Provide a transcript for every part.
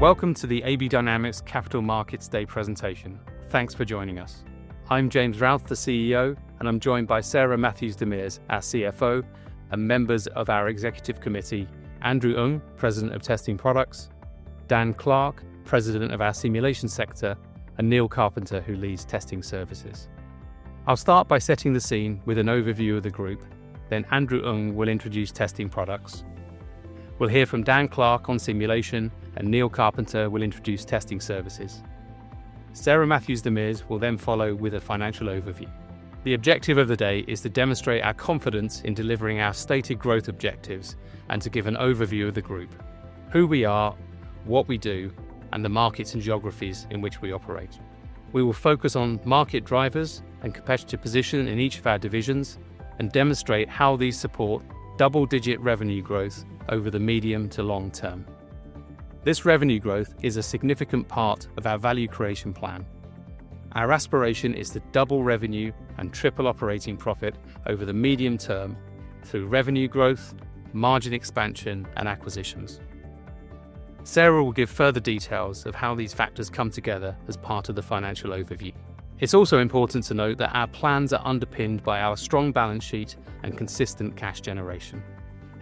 Welcome to the AB Dynamics Capital Markets Day presentation. Thanks for joining us. I'm James Routh, the CEO, and I'm joined by Sarah Matthews-DeMers, our CFO, and members of our executive committee: Andrew Ong, President of Testing Products; Dan Clark, President of our Simulation sector; and Neil Carpenter, who leads Testing Services. I'll start by setting the scene with an overview of the group, then Andrew Ong will introduce Testing Products. We'll hear from Dan Clark on Simulation, and Neil Carpenter will introduce Testing Services. Sarah Matthews-DeMers will then follow with a financial overview. The objective of the day is to demonstrate our confidence in delivering our stated growth objectives and to give an overview of the group: who we are, what we do, and the markets and geographies in which we operate. We will focus on market drivers and competitive position in each of our divisions and demonstrate how these support double-digit revenue growth over the medium to long term. This revenue growth is a significant part of our value creation plan. Our aspiration is to double revenue and triple operating profit over the medium term through revenue growth, margin expansion, and acquisitions. Sarah will give further details of how these factors come together as part of the financial overview. It's also important to note that our plans are underpinned by our strong balance sheet and consistent cash generation.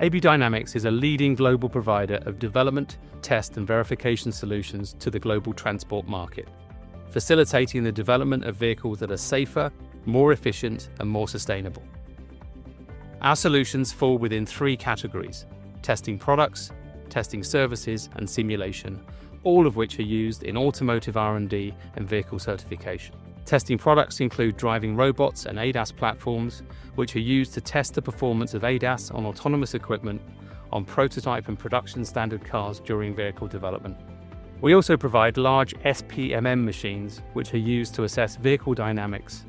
AB Dynamics is a leading global provider of development, test, and verification solutions to the global transport market, facilitating the development of vehicles that are safer, more efficient, and more sustainable. Our solutions fall within three categories: Testing Products, Testing Services, and Simulation, all of which are used in automotive R&D and vehicle certification. Testing Products include driving robots and ADAS platforms, which are used to test the performance of ADAS on autonomous equipment, on prototype and production standard cars during vehicle development. We also provide large SPMM machines, which are used to assess vehicle dynamics,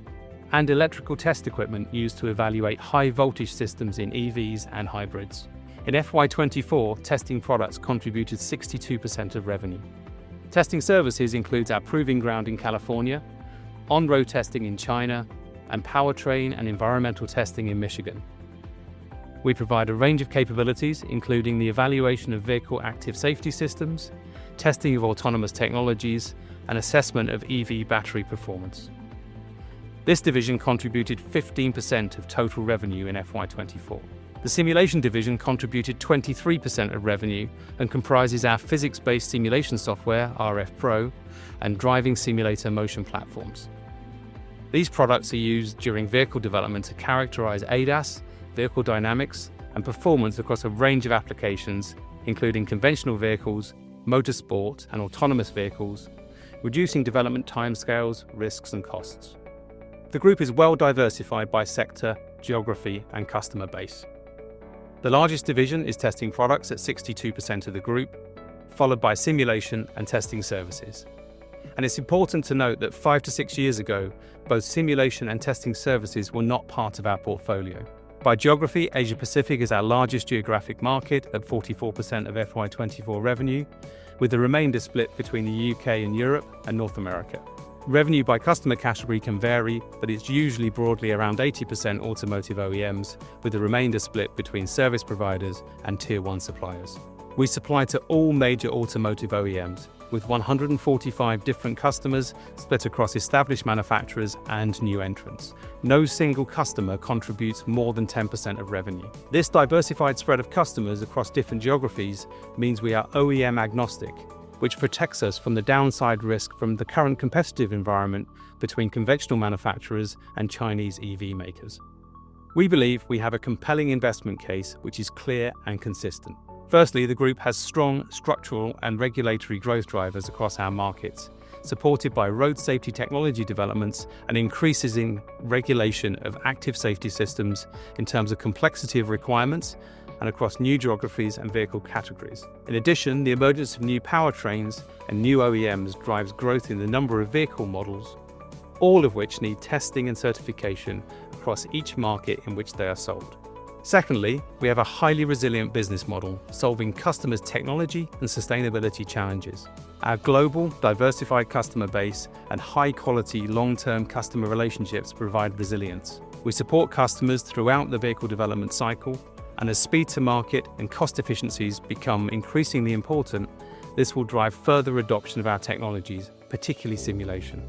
and electrical test equipment used to evaluate high-voltage systems in EVs and hybrids. In FY24, Testing Products contributed 62% of revenue. Testing Services includes our proving ground in California, on-road testing in China, and powertrain and environmental testing in Michigan. We provide a range of capabilities, including the evaluation of vehicle active safety systems, testing of autonomous technologies, and assessment of EV battery performance. This division contributed 15% of total revenue in FY24. The Simulation Division contributed 23% of revenue and comprises our physics-based simulation software, rFpro, and driving simulator motion platforms. These products are used during vehicle development to characterize ADAS, vehicle dynamics, and performance across a range of applications, including conventional vehicles, motorsport, and autonomous vehicles, reducing development timescales, risks, and costs. The group is well-diversified by sector, geography, and customer base. The largest division is Testing Products at 62% of the group, followed by Simulation and Testing Services. It is important to note that five to six years ago, both Simulation and Testing Services were not part of our portfolio. By geography, Asia-Pacific is our largest geographic market at 44% of FY24 revenue, with the remainder split between the U.K. and Europe and North America. Revenue by customer category can vary, but it is usually broadly around 80% automotive OEMs, with the remainder split between service providers and tier-one suppliers. We supply to all major automotive OEMs, with 145 different customers split across established manufacturers and new entrants. No single customer contributes more than 10% of revenue. This diversified spread of customers across different geographies means we are OEM-agnostic, which protects us from the downside risk from the current competitive environment between conventional manufacturers and Chinese EV makers. We believe we have a compelling investment case which is clear and consistent. Firstly, the group has strong structural and regulatory growth drivers across our markets, supported by road safety technology developments and increases in regulation of active safety systems in terms of complexity of requirements and across new geographies and vehicle categories. In addition, the emergence of new powertrains and new OEMs drives growth in the number of vehicle models, all of which need testing and certification across each market in which they are sold. Secondly, we have a highly resilient business model solving customers' technology and sustainability challenges. Our global, diversified customer base and high-quality, long-term customer relationships provide resilience. We support customers throughout the vehicle development cycle, and as speed-to-market and cost efficiencies become increasingly important, this will drive further adoption of our technologies, particularly simulation.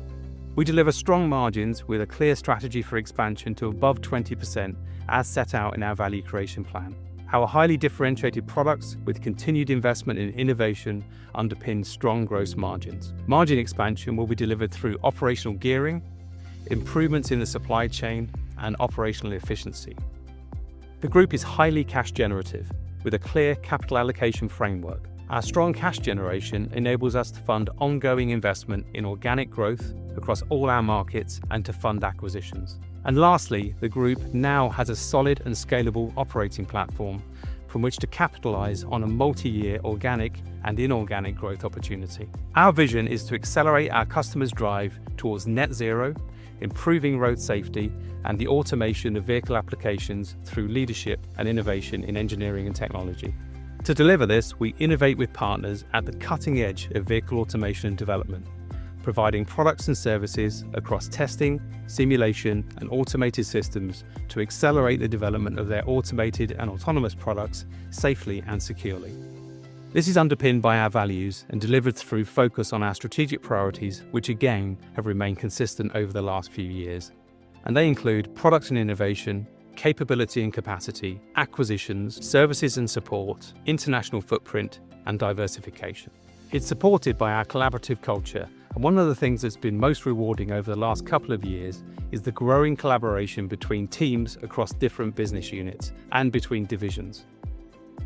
We deliver strong margins with a clear strategy for expansion to above 20% as set out in our value creation plan. Our highly differentiated products, with continued investment in innovation, underpin strong gross margins. Margin expansion will be delivered through operational gearing, improvements in the supply chain, and operational efficiency. The group is highly cash-generative, with a clear capital allocation framework. Our strong cash generation enables us to fund ongoing investment in organic growth across all our markets and to fund acquisitions. Lastly, the group now has a solid and scalable operating platform from which to capitalize on a multi-year organic and inorganic growth opportunity. Our vision is to accelerate our customers' drive towards net zero, improving road safety, and the automation of vehicle applications through leadership and innovation in engineering and technology. To deliver this, we innovate with partners at the cutting edge of vehicle automation and development, providing products and services across testing, simulation, and automated systems to accelerate the development of their automated and autonomous products safely and securely. This is underpinned by our values and delivered through focus on our strategic priorities, which again have remained consistent over the last few years, and they include products and innovation, capability and capacity, acquisitions, services and support, international footprint, and diversification. It's supported by our collaborative culture, and one of the things that's been most rewarding over the last couple of years is the growing collaboration between teams across different business units and between divisions.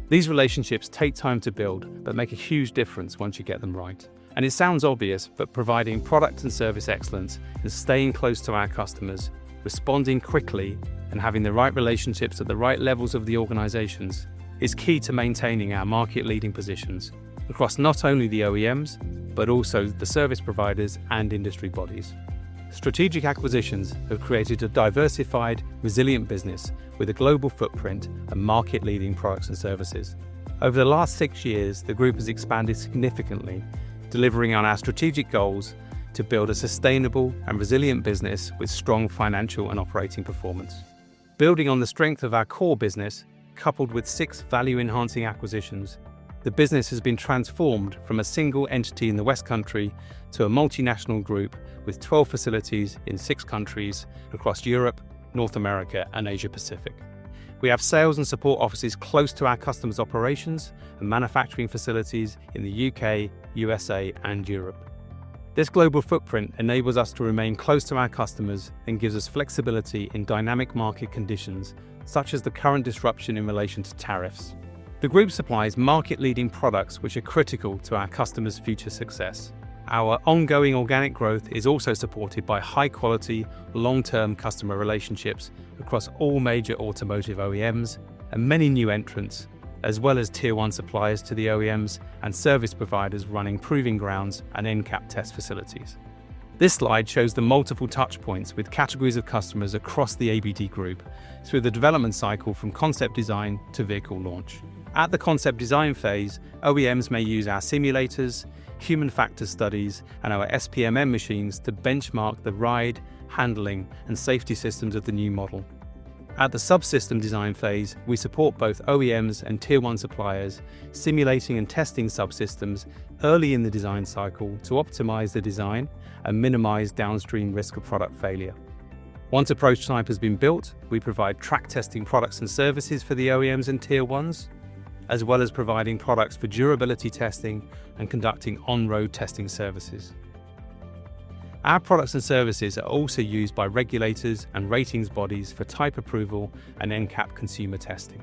These relationships take time to build but make a huge difference once you get them right. It sounds obvious, but providing product and service excellence and staying close to our customers, responding quickly, and having the right relationships at the right levels of the organizations is key to maintaining our market-leading positions across not only the OEMs but also the service providers and industry bodies. Strategic acquisitions have created a diversified, resilient business with a global footprint and market-leading products and services. Over the last six years, the group has expanded significantly, delivering on our strategic goals to build a sustainable and resilient business with strong financial and operating performance. Building on the strength of our core business, coupled with six value-enhancing acquisitions, the business has been transformed from a single entity in the West Country to a multinational group with 12 facilities in six countries across Europe, North America, and Asia-Pacific. We have sales and support offices close to our customers' operations and manufacturing facilities in the U.K., U.S.A., and Europe. This global footprint enables us to remain close to our customers and gives us flexibility in dynamic market conditions such as the current disruption in relation to tariffs. The group supplies market-leading products which are critical to our customers' future success. Our ongoing organic growth is also supported by high-quality, long-term customer relationships across all major automotive OEMs and many new entrants, as well as tier-one suppliers to the OEMs and service providers running proving grounds and in-cab test facilities. This slide shows the multiple touchpoints with categories of customers across the ABD Group through the development cycle from concept design to vehicle launch. At the concept design phase, OEMs may use our simulators, human factor studies, and our SPMM machines to benchmark the ride, handling, and safety systems of the new model. At the subsystem design phase, we support both OEMs and tier-one suppliers simulating and testing subsystems early in the design cycle to optimize the design and minimize downstream risk of product failure. Once a prototype has been built, we provide track-testing products and services for the OEMs and tier-ones, as well as providing products for durability testing and conducting on-road testing services. Our products and services are also used by regulators and ratings bodies for type approval and in-cab consumer testing.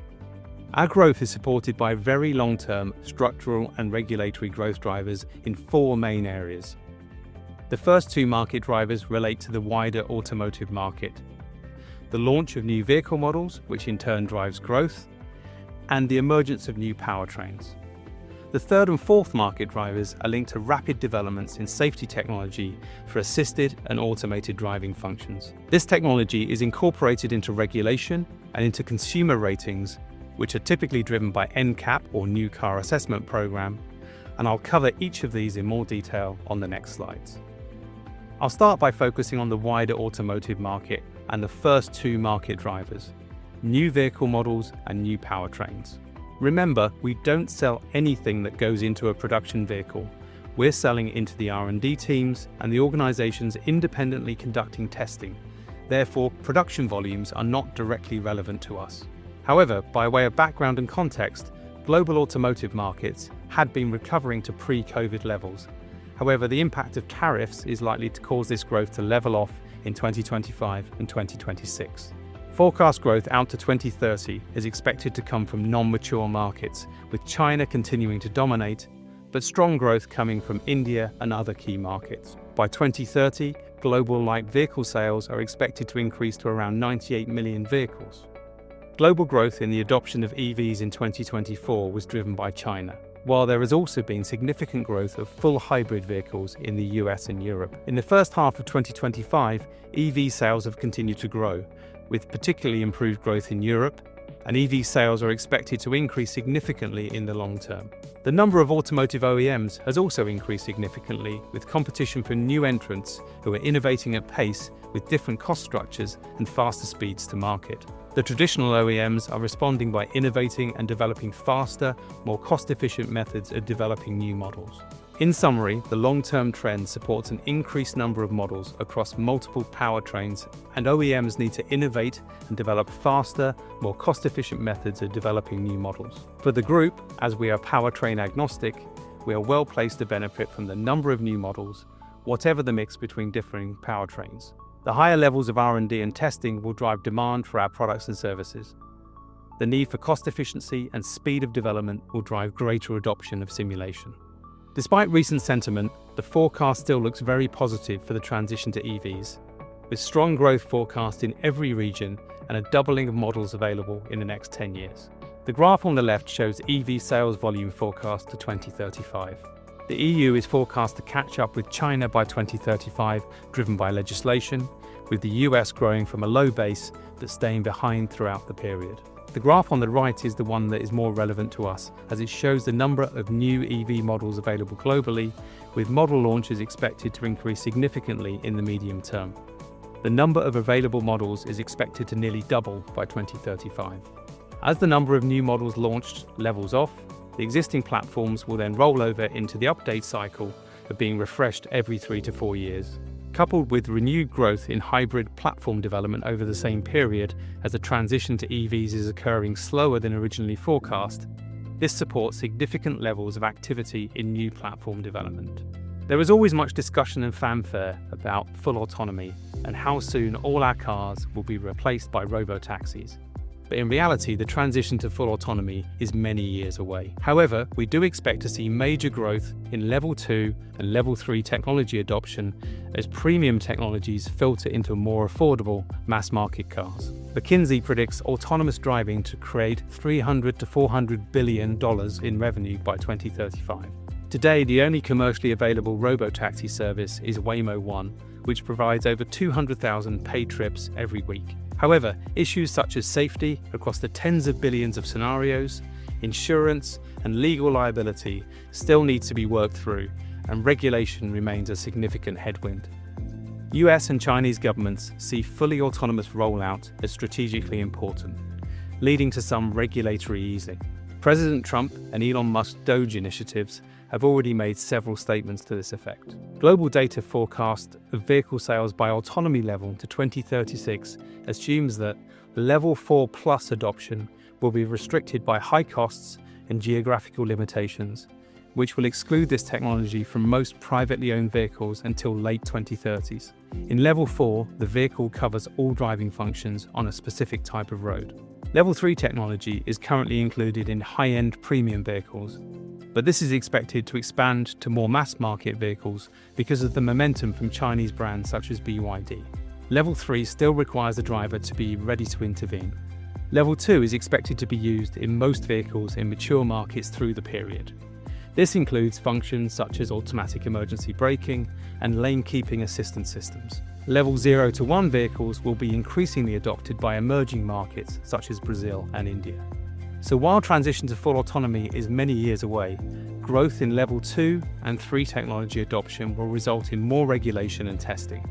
Our growth is supported by very long-term structural and regulatory growth drivers in four main areas. The first two market drivers relate to the wider automotive market: the launch of new vehicle models, which in turn drives growth, and the emergence of new powertrains. The third and fourth market drivers are linked to rapid developments in safety technology for assisted and automated driving functions. This technology is incorporated into regulation and into consumer ratings, which are typically driven by in-cab or new car assessment program, and I'll cover each of these in more detail on the next slides. I'll start by focusing on the wider automotive market and the first two market drivers: new vehicle models and new powertrains. Remember, we don't sell anything that goes into a production vehicle. We're selling it into the R&D teams and the organizations independently conducting testing. Therefore, production volumes are not directly relevant to us. However, by way of background and context, global automotive markets had been recovering to pre-COVID levels. However, the impact of tariffs is likely to cause this growth to level off in 2025 and 2026. Forecast growth out to 2030 is expected to come from non-mature markets, with China continuing to dominate, but strong growth coming from India and other key markets. By 2030, global light vehicle sales are expected to increase to around 98 million vehicles. Global growth in the adoption of EVs in 2024 was driven by China, while there has also been significant growth of full hybrid vehicles in the U.S. and Europe. In the first half of 2025, EV sales have continued to grow, with particularly improved growth in Europe, and EV sales are expected to increase significantly in the long term. The number of automotive OEMs has also increased significantly, with competition for new entrants who are innovating at pace with different cost structures and faster speeds to market. The traditional OEMs are responding by innovating and developing faster, more cost-efficient methods of developing new models. In summary, the long-term trend supports an increased number of models across multiple powertrains, and OEMs need to innovate and develop faster, more cost-efficient methods of developing new models. For the group, as we are powertrain agnostic, we are well placed to benefit from the number of new models, whatever the mix between differing powertrains. The higher levels of R&D and testing will drive demand for our products and services. The need for cost efficiency and speed of development will drive greater adoption of simulation. Despite recent sentiment, the forecast still looks very positive for the transition to EVs, with strong growth forecast in every region and a doubling of models available in the next 10 years. The graph on the left shows EV sales volume forecast to 2035. The EU is forecast to catch up with China by 2035, driven by legislation, with the US growing from a low base that's staying behind throughout the period. The graph on the right is the one that is more relevant to us, as it shows the number of new EV models available globally, with model launches expected to increase significantly in the medium term. The number of available models is expected to nearly double by 2035. As the number of new models launched levels off, the existing platforms will then roll over into the update cycle of being refreshed every three to four years. Coupled with renewed growth in hybrid platform development over the same period as the transition to EVs is occurring slower than originally forecast, this supports significant levels of activity in new platform development. There is always much discussion and fanfare about full autonomy and how soon all our cars will be replaced by robotaxis, but in reality, the transition to full autonomy is many years away. However, we do expect to see major growth in level two and level three technology adoption as premium technologies filter into more affordable mass-market cars. McKinsey predicts autonomous driving to create $300 billion-$400 billion in revenue by 2035. Today, the only commercially available robotaxi service is Waymo One, which provides over 200,000 paid trips every week. However, issues such as safety across the tens of billions of scenarios, insurance, and legal liability still need to be worked through, and regulation remains a significant headwind. U.S. and Chinese governments see fully autonomous rollout as strategically important, leading to some regulatory easing. President Trump and Elon Musk's DOGE initiatives have already made several statements to this effect. Global data forecasts of vehicle sales by autonomy level to 2036 assumes that level four plus adoption will be restricted by high costs and geographical limitations, which will exclude this technology from most privately owned vehicles until late 2030s. In level four, the vehicle covers all driving functions on a specific type of road. Level three technology is currently included in high-end premium vehicles, but this is expected to expand to more mass-market vehicles because of the momentum from Chinese brands such as BYD. Level three still requires a driver to be ready to intervene. Level two is expected to be used in most vehicles in mature markets through the period. This includes functions such as automatic emergency braking and lane-keeping assistance systems. Level zero to one vehicles will be increasingly adopted by emerging markets such as Brazil and India. While transition to full autonomy is many years away, growth in level two and three technology adoption will result in more regulation and testing.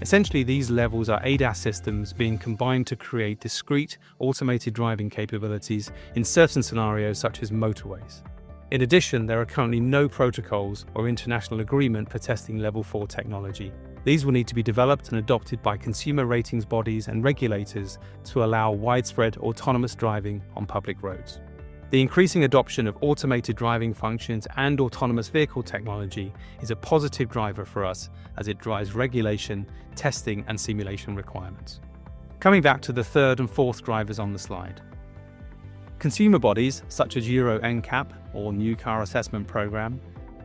Essentially, these levels are ADAS systems being combined to create discreet automated driving capabilities in certain scenarios such as motorways. In addition, there are currently no protocols or international agreement for testing level four technology. These will need to be developed and adopted by consumer ratings bodies and regulators to allow widespread autonomous driving on public roads. The increasing adoption of automated driving functions and autonomous vehicle technology is a positive driver for us as it drives regulation, testing, and simulation requirements. Coming back to the third and fourth drivers on the slide, consumer bodies such as Euro NCAP or New Car Assessment Program,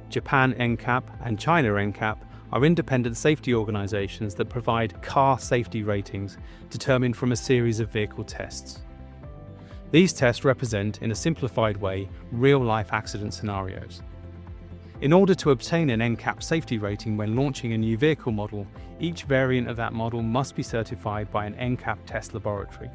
Japan NCAP, and China NCAP are independent safety organizations that provide car safety ratings determined from a series of vehicle tests. These tests represent, in a simplified way, real-life accident scenarios. In order to obtain an NCAP safety rating when launching a new vehicle model, each variant of that model must be certified by an NCAP test laboratory.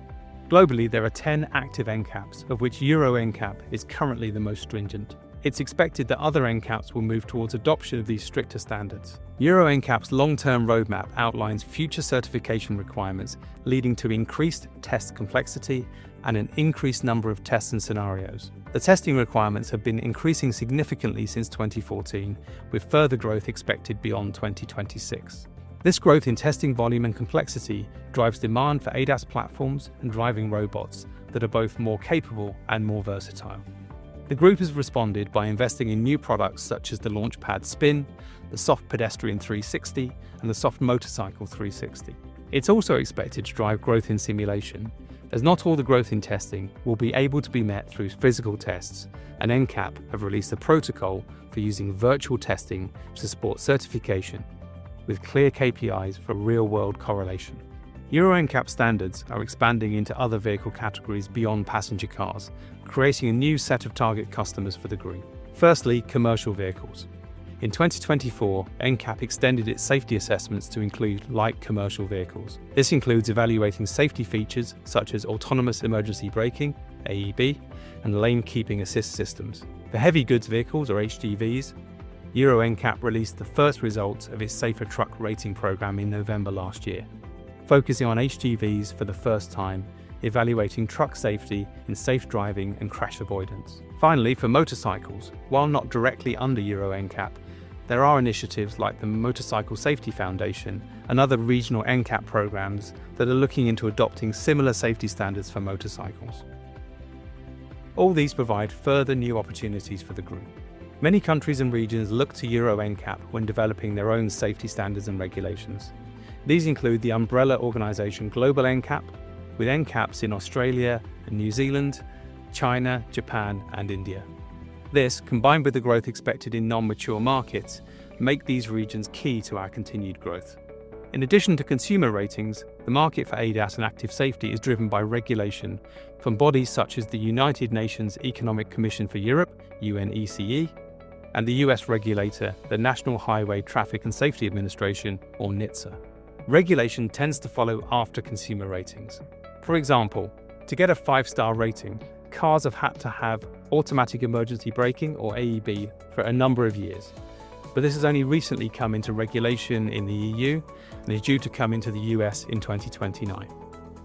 Globally, there are 10 active NCAPs, of which Euro NCAP is currently the most stringent. It's expected that other NCAPs will move towards adoption of these stricter standards. Euro NCAP's long-term roadmap outlines future certification requirements leading to increased test complexity and an increased number of tests and scenarios. The testing requirements have been increasing significantly since 2014, with further growth expected beyond 2026. This growth in testing volume and complexity drives demand for ADAS platforms and driving robots that are both more capable and more versatile. The group has responded by investing in new products such as the LaunchPad Spin, the Soft Pedestrian 360, and the Soft Motorcycle 360. It's also expected to drive growth in simulation, as not all the growth in testing will be able to be met through physical tests, and NCAP have released a protocol for using virtual testing to support certification with clear KPIs for real-world correlation. Euro NCAP standards are expanding into other vehicle categories beyond passenger cars, creating a new set of target customers for the group. Firstly, commercial vehicles. In 2024, NCAP extended its safety assessments to include light commercial vehicles. This includes evaluating safety features such as autonomous emergency braking (AEB) and lane-keeping assist systems. For heavy goods vehicles or HGVs, Euro NCAP released the first results of its Safer Truck Rating program in November last year, focusing on HGVs for the first time, evaluating truck safety in safe driving and crash avoidance. Finally, for motorcycles, while not directly under Euro NCAP, there are initiatives like the Motorcycle Safety Foundation and other regional NCAP programs that are looking into adopting similar safety standards for motorcycles. All these provide further new opportunities for the group. Many countries and regions look to Euro NCAP when developing their own safety standards and regulations. These include the umbrella organization Global NCAP, with NCAPs in Australia and New Zealand, China, Japan, and India. This, combined with the growth expected in non-mature markets, makes these regions key to our continued growth. In addition to consumer ratings, the market for ADAS and active safety is driven by regulation from bodies such as the United Nations Economic Commission for Europe, UNECE, and the U.S. regulator, the National Highway Traffic and Safety Administration, or NHTSA. Regulation tends to follow after consumer ratings. For example, to get a five-star rating, cars have had to have automatic emergency braking or AEB for a number of years, but this has only recently come into regulation in the EU and is due to come into the U.S. in 2029.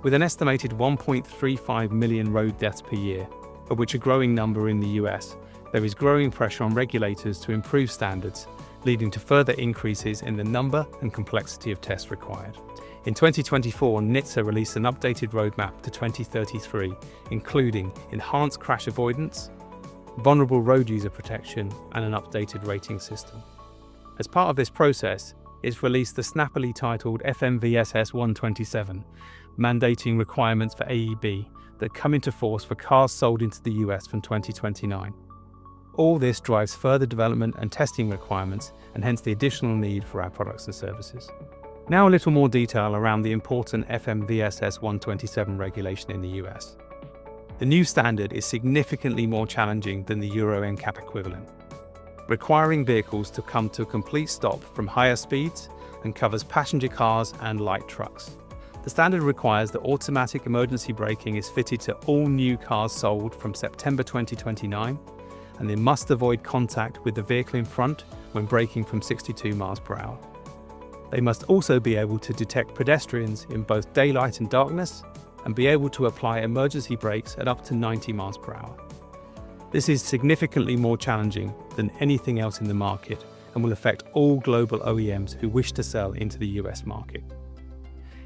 With an estimated 1.35 million road deaths per year, of which a growing number in the U.S., there is growing pressure on regulators to improve standards, leading to further increases in the number and complexity of tests required. In 2024, NHTSA released an updated roadmap to 2033, including enhanced crash avoidance, vulnerable road user protection, and an updated rating system. As part of this process, it's released the snappily titled FMVSS 127, mandating requirements for AEB that come into force for cars sold into the U.S. from 2029. All this drives further development and testing requirements, and hence the additional need for our products and services. Now, a little more detail around the important FMVSS 127 regulation in the U.S. The new standard is significantly more challenging than the Euro NCAP equivalent, requiring vehicles to come to a complete stop from higher speeds and covers passenger cars and light trucks. The standard requires that automatic emergency braking is fitted to all new cars sold from September 2029, and they must avoid contact with the vehicle in front when braking from 62 mi per hour. They must also be able to detect pedestrians in both daylight and darkness and be able to apply emergency brakes at up to 90 mi per hour. This is significantly more challenging than anything else in the market and will affect all global OEMs who wish to sell into the U.S. market.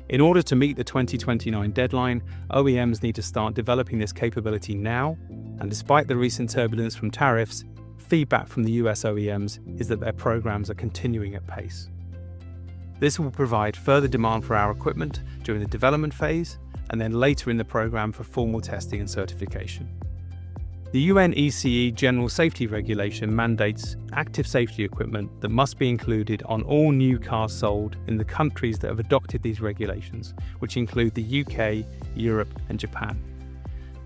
In order to meet the 2029 deadline, OEMs need to start developing this capability now, and despite the recent turbulence from tariffs, feedback from the U.S. OEMs is that their programs are continuing at pace. This will provide further demand for our equipment during the development phase and then later in the program for formal testing and certification. The UNECE General Safety Regulation mandates active safety equipment that must be included on all new cars sold in the countries that have adopted these regulations, which include the U.K., Europe, and Japan.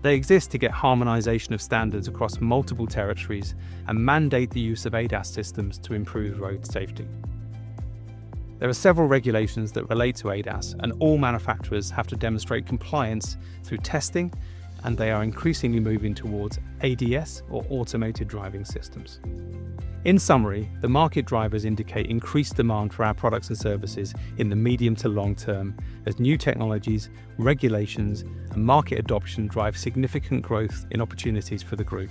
They exist to get harmonization of standards across multiple territories and mandate the use of ADAS systems to improve road safety. There are several regulations that relate to ADAS, and all manufacturers have to demonstrate compliance through testing, and they are increasingly moving towards ADS or automated driving systems. In summary, the market drivers indicate increased demand for our products and services in the medium to long term as new technologies, regulations, and market adoption drive significant growth in opportunities for the group,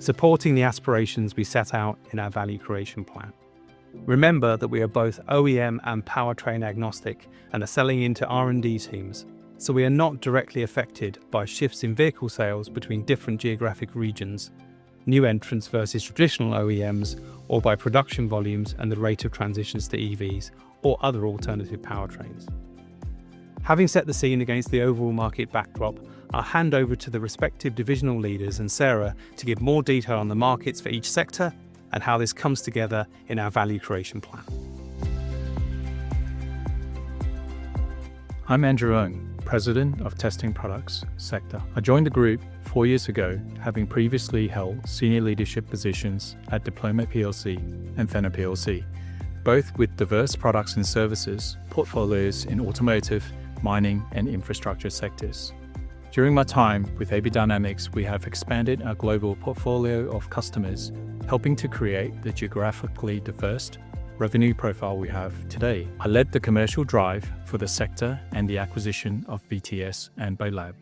supporting the aspirations we set out in our value creation plan. Remember that we are both OEM and powertrain agnostic and are selling into R&D teams, so we are not directly affected by shifts in vehicle sales between different geographic regions, new entrants versus traditional OEMs, or by production volumes and the rate of transitions to EVs or other alternative powertrains. Having set the scene against the overall market backdrop, I'll hand over to the respective divisional leaders and Sarah to give more detail on the markets for each sector and how this comes together in our value creation plan. I'm Andrew Ong, President of Testing Products Sector. I joined the group four years ago, having previously held senior leadership positions at Diploma and Fenna, both with diverse products and services portfolios in automotive, mining, and infrastructure sectors. During my time with AB Dynamics, we have expanded our global portfolio of customers, helping to create the geographically diverse revenue profile we have today. I led the commercial drive for the sector and the acquisition of BTS and BEYLAB.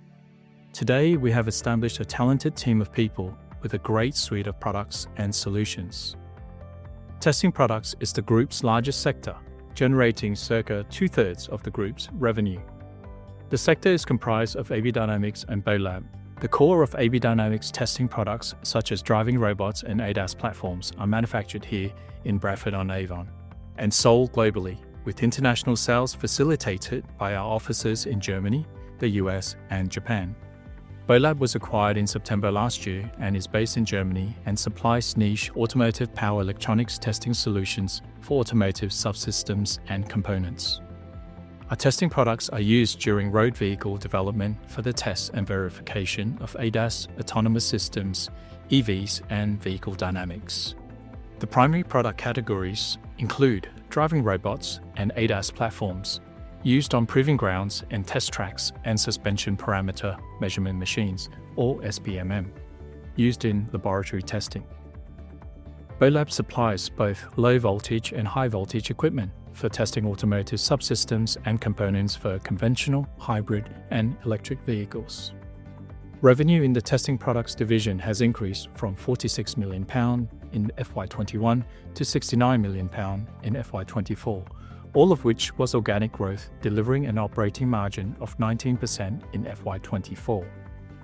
Today, we have established a talented team of people with a great suite of products and solutions. Testing Products is the group's largest sector, generating circa two-thirds of the group's revenue. The sector is comprised of AB Dynamics and BEYLAB. The core of AB Dynamics' testing products, such as driving robots and ADAS platforms, are manufactured here in Bradfor- on-Avon and sold globally, with international sales facilitated by our offices in Germany, the U.S., and Japan. BEYLAB was acquired in September last year and is based in Germany and supplies niche automotive power electronics testing solutions for automotive subsystems and components. Our testing products are used during road vehicle development for the tests and verification of ADAS autonomous systems, EVs, and vehicle dynamics. The primary product categories include driving robots and ADAS platforms used on proving grounds and test tracks and suspension parameter measurement machines, or SPMM, used in laboratory testing. BAYLAB supplies both low voltage and high voltage equipment for testing automotive subsystems and components for conventional, hybrid, and electric vehicles. Revenue in the testing products division has increased from 46 million pound in FY21 to 69 million pound in FY2024, all of which was organic growth, delivering an operating margin of 19% in FY24.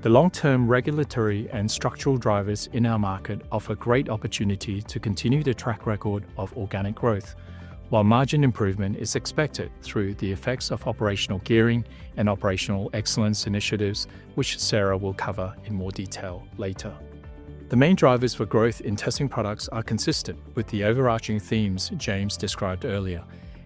The long-term regulatory and structural drivers in our market offer great opportunity to continue the track record of organic growth, while margin improvement is expected through the effects of operational gearing and operational excellence initiatives, which Sarah will cover in more detail later. The main drivers for growth in testing products are consistent with the overarching themes James described earlier,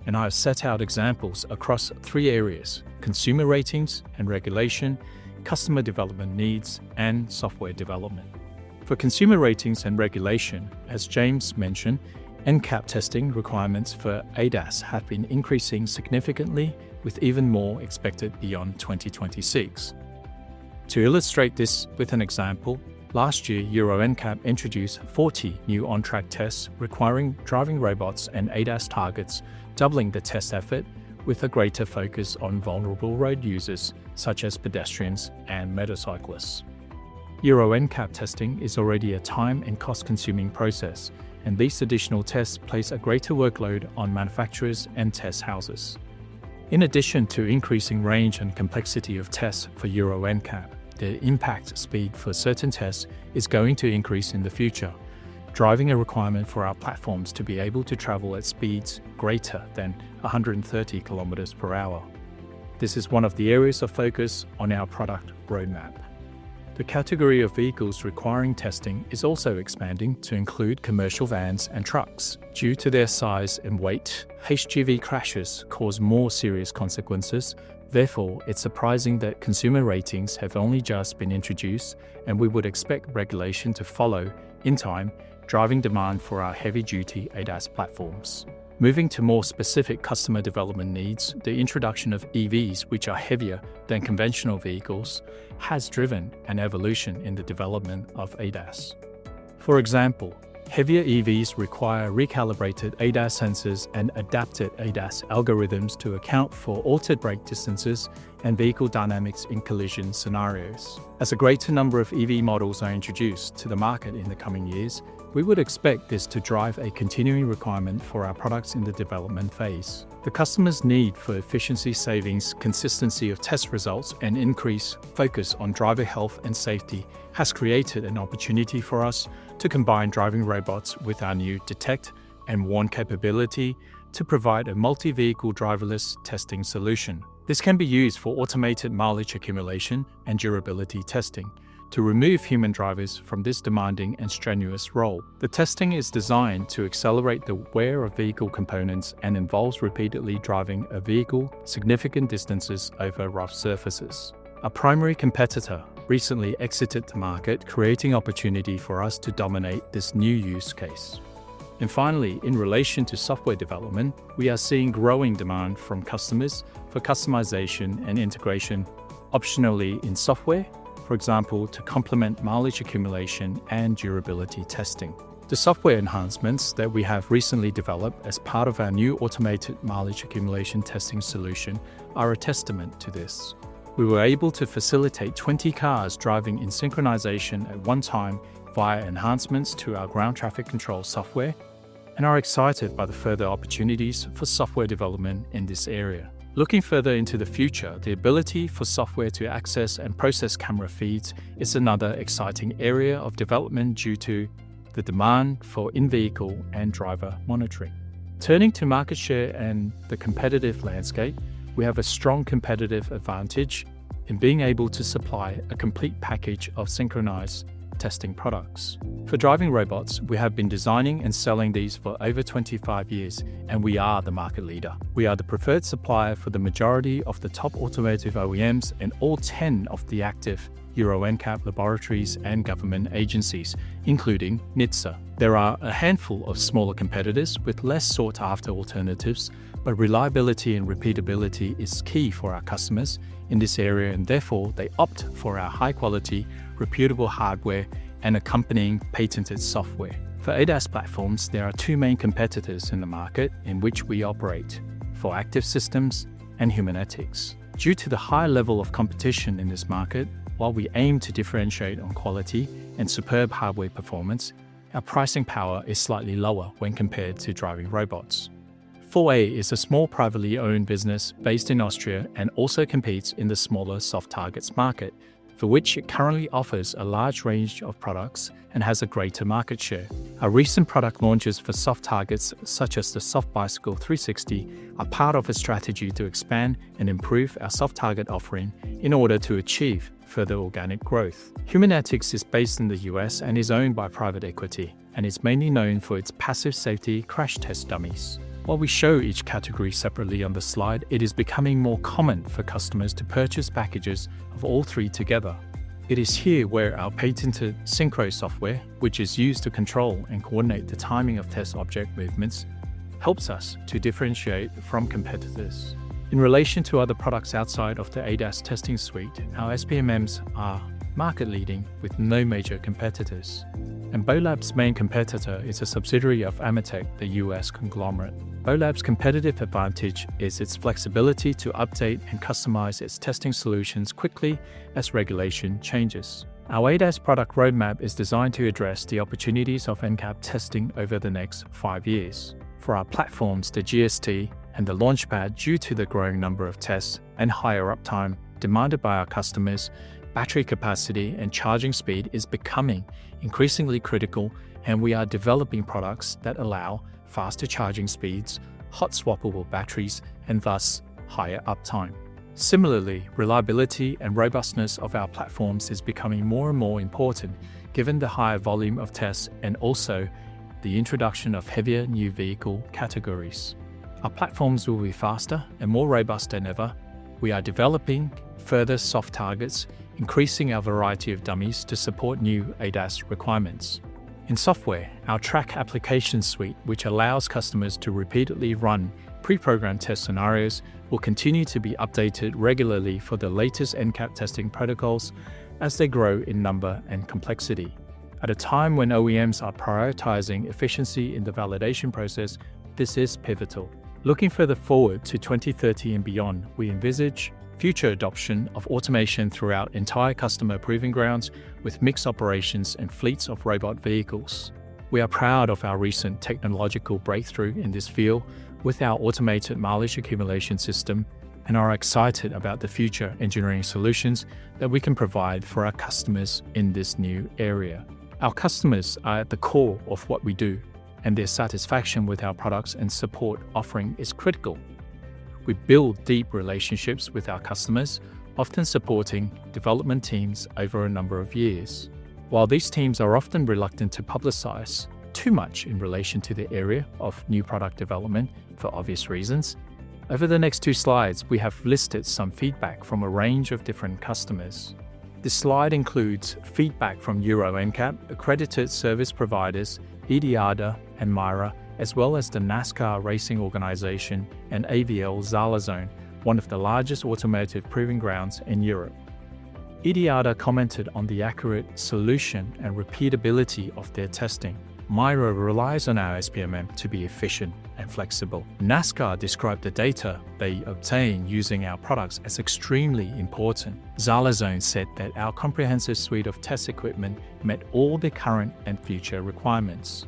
and I have set out examples across three areas: consumer ratings and regulation, customer development needs, and software development. For consumer ratings and regulation, as James mentioned, NCAP testing requirements for ADAS have been increasing significantly, with even more expected beyond 2026. To illustrate this with an example, last year, Euro NCAP introduced 40 new on-track tests requiring driving robots and ADAS targets, doubling the test effort with a greater focus on vulnerable road users such as pedestrians and motorcyclists. Euro NCAP testing is already a time and cost-consuming process, and these additional tests place a greater workload on manufacturers and test houses. In addition to increasing range and complexity of tests for Euro NCAP, the impact speed for certain tests is going to increase in the future, driving a requirement for our platforms to be able to travel at speeds greater than 130 km per hour. This is one of the areas of focus on our product roadmap. The category of vehicles requiring testing is also expanding to include commercial vans and trucks. Due to their size and weight, HGV crashes cause more serious consequences. Therefore, it's surprising that consumer ratings have only just been introduced, and we would expect regulation to follow in time, driving demand for our heavy-duty ADAS platforms. Moving to more specific customer development needs, the introduction of EVs, which are heavier than conventional vehicles, has driven an evolution in the development of ADAS. For example, heavier EVs require recalibrated ADAS sensors and adapted ADAS algorithms to account for altered brake distances and vehicle dynamics in collision scenarios. As a greater number of EV models are introduced to the market in the coming years, we would expect this to drive a continuing requirement for our products in the development phase. The customer's need for efficiency savings, consistency of test results, and increased focus on driver health and safety has created an opportunity for us to combine driving robots with our new detect and warn capability to provide a multi-vehicle driverless testing solution. This can be used for automated mileage accumulation and durability testing to remove human drivers from this demanding and strenuous role. The testing is designed to accelerate the wear of vehicle components and involves repeatedly driving a vehicle significant distances over rough surfaces. A primary competitor recently exited the market, creating opportunity for us to dominate this new use case. Finally, in relation to software development, we are seeing growing demand from customers for customization and integration, optionally in software, for example, to complement mileage accumulation and durability testing. The software enhancements that we have recently developed as part of our new automated mileage accumulation testing solution are a testament to this. We were able to facilitate 20 cars driving in synchronization at one time via enhancements to our ground traffic control software and are excited by the further opportunities for software development in this area. Looking further into the future, the ability for software to access and process camera feeds is another exciting area of development due to the demand for in-vehicle and driver monitoring. Turning to market share and the competitive landscape, we have a strong competitive advantage in being able to supply a complete package of synchronized testing products. For driving robots, we have been designing and selling these for over 25 years, and we are the market leader. We are the preferred supplier for the majority of the top automotive OEMs and all 10 of the active Euro NCAP laboratories and government agencies, including NHTSA. There are a handful of smaller competitors with less sought-after alternatives, but reliability and repeatability is key for our customers in this area, and therefore they opt for our high-quality, reputable hardware and accompanying patented software. For ADAS platforms, there are two main competitors in the market in which we operate: for active systems and Humanetics. Due to the high level of competition in this market, while we aim to differentiate on quality and superb hardware performance, our pricing power is slightly lower when compared to driving robots. 4A is a small privately owned business based in Austria and also competes in the smaller soft targets market, for which it currently offers a large range of products and has a greater market share. Our recent product launches for soft targets, such as the Soft Bicycle 360, are part of a strategy to expand and improve our soft target offering in order to achieve further organic growth. Humanetics is based in the U.S. and is owned by private equity and is mainly known for its passive safety crash test dummies. While we show each category separately on the slide, it is becoming more common for customers to purchase packages of all three together. It is here where our patented Synchro software, which is used to control and coordinate the timing of test object movements, helps us to differentiate from competitors. In relation to other products outside of the ADAS testing suite, our SPMMs are market-leading with no major competitors, and BEYLAB's main competitor is a subsidiary of AMETEK, the US conglomerate. BEYLAB's competitive advantage is its flexibility to update and customize its testing solutions quickly as regulation changes. Our ADAS product roadmap is designed to address the opportunities of NCAP testing over the next five years. For our platforms, the GST and the LaunchPad, due to the growing number of tests and higher uptime demanded by our customers, battery capacity and charging speed is becoming increasingly critical, and we are developing products that allow faster charging speeds, hot-swappable batteries, and thus higher uptime. Similarly, reliability and robustness of our platforms is becoming more and more important given the higher volume of tests and also the introduction of heavier new vehicle categories. Our platforms will be faster and more robust than ever. We are developing further soft targets, increasing our variety of dummies to support new ADAS requirements. In software, our track application suite, which allows customers to repeatedly run pre-programmed test scenarios, will continue to be updated regularly for the latest NCAP testing protocols as they grow in number and complexity. At a time when OEMs are prioritizing efficiency in the validation process, this is pivotal. Looking further forward to 2030 and beyond, we envisage future adoption of automation throughout entire customer proving grounds with mixed operations and fleets of robot vehicles. We are proud of our recent technological breakthrough in this field with our automated mileage accumulation system and are excited about the future engineering solutions that we can provide for our customers in this new area. Our customers are at the core of what we do, and their satisfaction with our products and support offering is critical. We build deep relationships with our customers, often supporting development teams over a number of years. While these teams are often reluctant to publicize too much in relation to the area of new product development for obvious reasons, over the next two slides, we have listed some feedback from a range of different customers. The slide includes feedback from Euro NCAP, accredited service providers IDIADA and MIRA, as well as the NASCAR racing organization and AVL Zala Zone, one of the largest automotive proving grounds in Europe. IDIADA commented on the accurate solution and repeatability of their testing. MIRA relies on our SPMM to be efficient and flexible. NASCAR described the data they obtain using our products as extremely important. Zala Zone said that our comprehensive suite of test equipment met all the current and future requirements.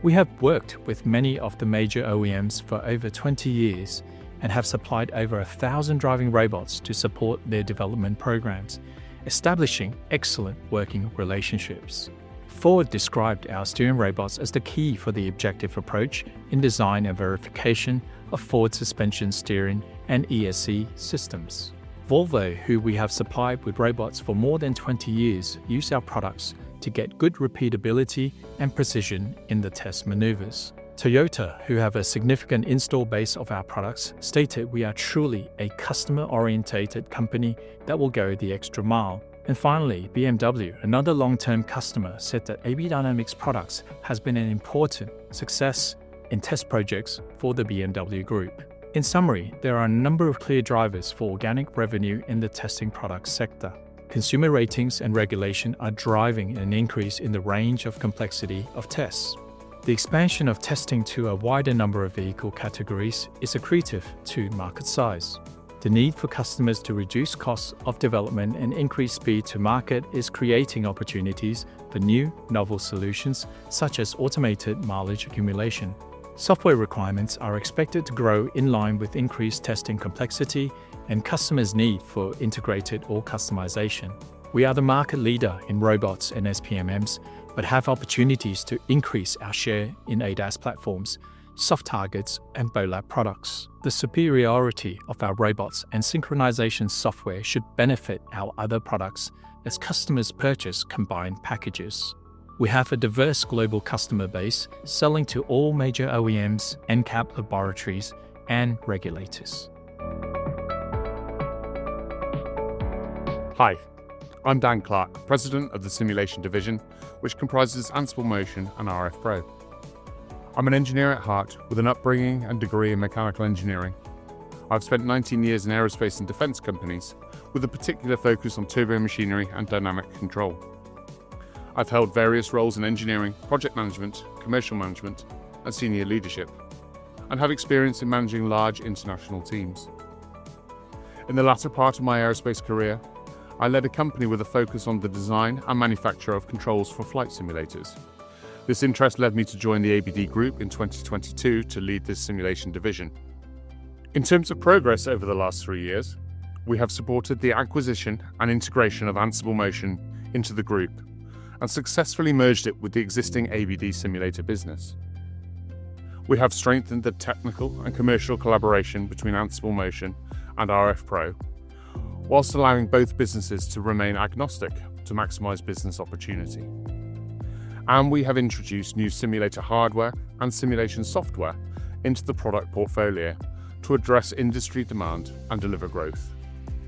We have worked with many of the major OEMs for over 20 years and have supplied over 1,000 driving robots to support their development programs, establishing excellent working relationships. Ford described our steering robots as the key for the objective approach in design and verification of Ford suspension steering and ESC systems. Volvo, who we have supplied with robots for more than 20 years, used our products to get good repeatability and precision in the test maneuvers. Toyota, who have a significant install base of our products, stated we are truly a customer-orientated company that will go the extra mile. Finally, BMW, another long-term customer, said that AB Dynamics' products have been an important success in test projects for the BMW Group. In summary, there are a number of clear drivers for organic revenue in the testing product sector. Consumer ratings and regulation are driving an increase in the range and complexity of tests. The expansion of testing to a wider number of vehicle categories is accretive to market size. The need for customers to reduce costs of development and increase speed to market is creating opportunities for new, novel solutions such as automated mileage accumulation. Software requirements are expected to grow in line with increased testing complexity and customers' need for integrated or customization. We are the market leader in robots and SPMMs, but have opportunities to increase our share in ADAS platforms, soft targets, and BEYLAB products. The superiority of our robots and synchronization software should benefit our other products as customers purchase combined packages. We have a diverse global customer base selling to all major OEMs, NCAP laboratories, and regulators. Hi, I'm Dan Clark, President of the Simulation Division, which comprises Ansible Motion and rFpro. I'm an engineer at heart with an upbringing and degree in mechanical engineering. I've spent 19 years in aerospace and defense companies with a particular focus on turbomachinery and dynamic control. I've held various roles in engineering, project management, commercial management, and senior leadership, and have experience in managing large international teams. In the latter part of my aerospace career, I led a company with a focus on the design and manufacture of controls for flight simulators. This interest led me to join the ABD Group in 2022 to lead this Simulation Division. In terms of progress over the last three years, we have supported the acquisition and integration of Ansible Motion into the group and successfully merged it with the existing ABD simulator business. We have strengthened the technical and commercial collaboration between Ansible Motion and rFpro, whilst allowing both businesses to remain agnostic to maximize business opportunity. We have introduced new simulator hardware and simulation software into the product portfolio to address industry demand and deliver growth.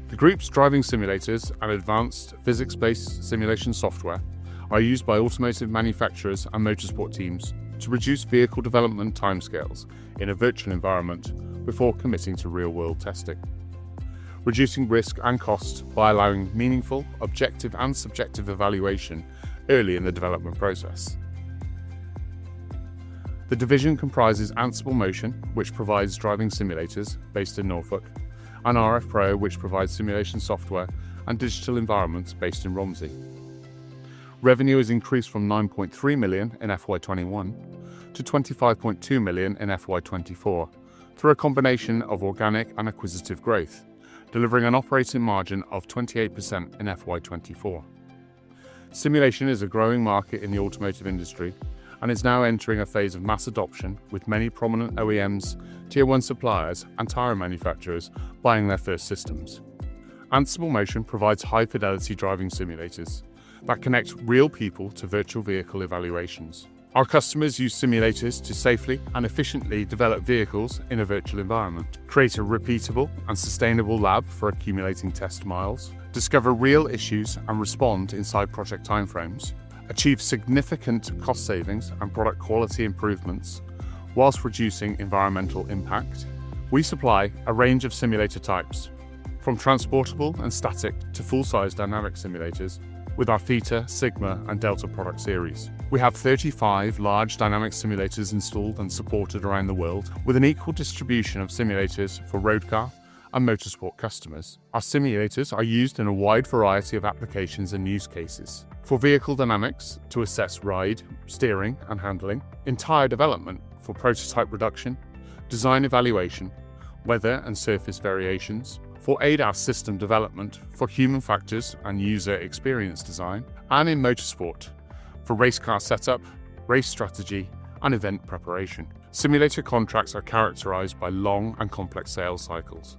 The group's driving simulators and advanced physics-based simulation software are used by automotive manufacturers and motorsport teams to reduce vehicle development time scales in a virtual environment before committing to real-world testing, reducing risk and cost by allowing meaningful, objective, and subjective evaluation early in the development process. The division comprises Ansible Motion, which provides driving simulators based in Norfolk, and rFpro, which provides simulation software and digital environments based in Romsey. Revenue has increased from 9.3 million in FY21 to 25.2 million in FY24 through a combination of organic and acquisitive growth, delivering an operating margin of 28% in FY24. Simulation is a growing market in the automotive industry and is now entering a phase of mass adoption with many prominent OEMs, tier one suppliers, and tire manufacturers buying their first systems. Ansible Motion provides high-fidelity driving simulators that connect real people to virtual vehicle evaluations. Our customers use simulators to safely and efficiently develop vehicles in a virtual environment, create a repeatable and sustainable lab for accumulating test mi, discover real issues and respond inside project timeframes, achieve significant cost savings and product quality improvements whilst reducing environmental impact. We supply a range of simulator types, from transportable and static to full-size dynamic simulators with our Theta, Sigma, and Delta product series. We have 35 large dynamic simulators installed and supported around the world with an equal distribution of simulators for roadcar and motorsport customers. Our simulators are used in a wide variety of applications and use cases: for vehicle dynamics to assess ride, steering, and handling, entire development for prototype production, design evaluation, weather and surface variations, for ADAS system development for human factors and user experience design, and in motorsport for race car setup, race strategy, and event preparation. Simulator contracts are characterized by long and complex sales cycles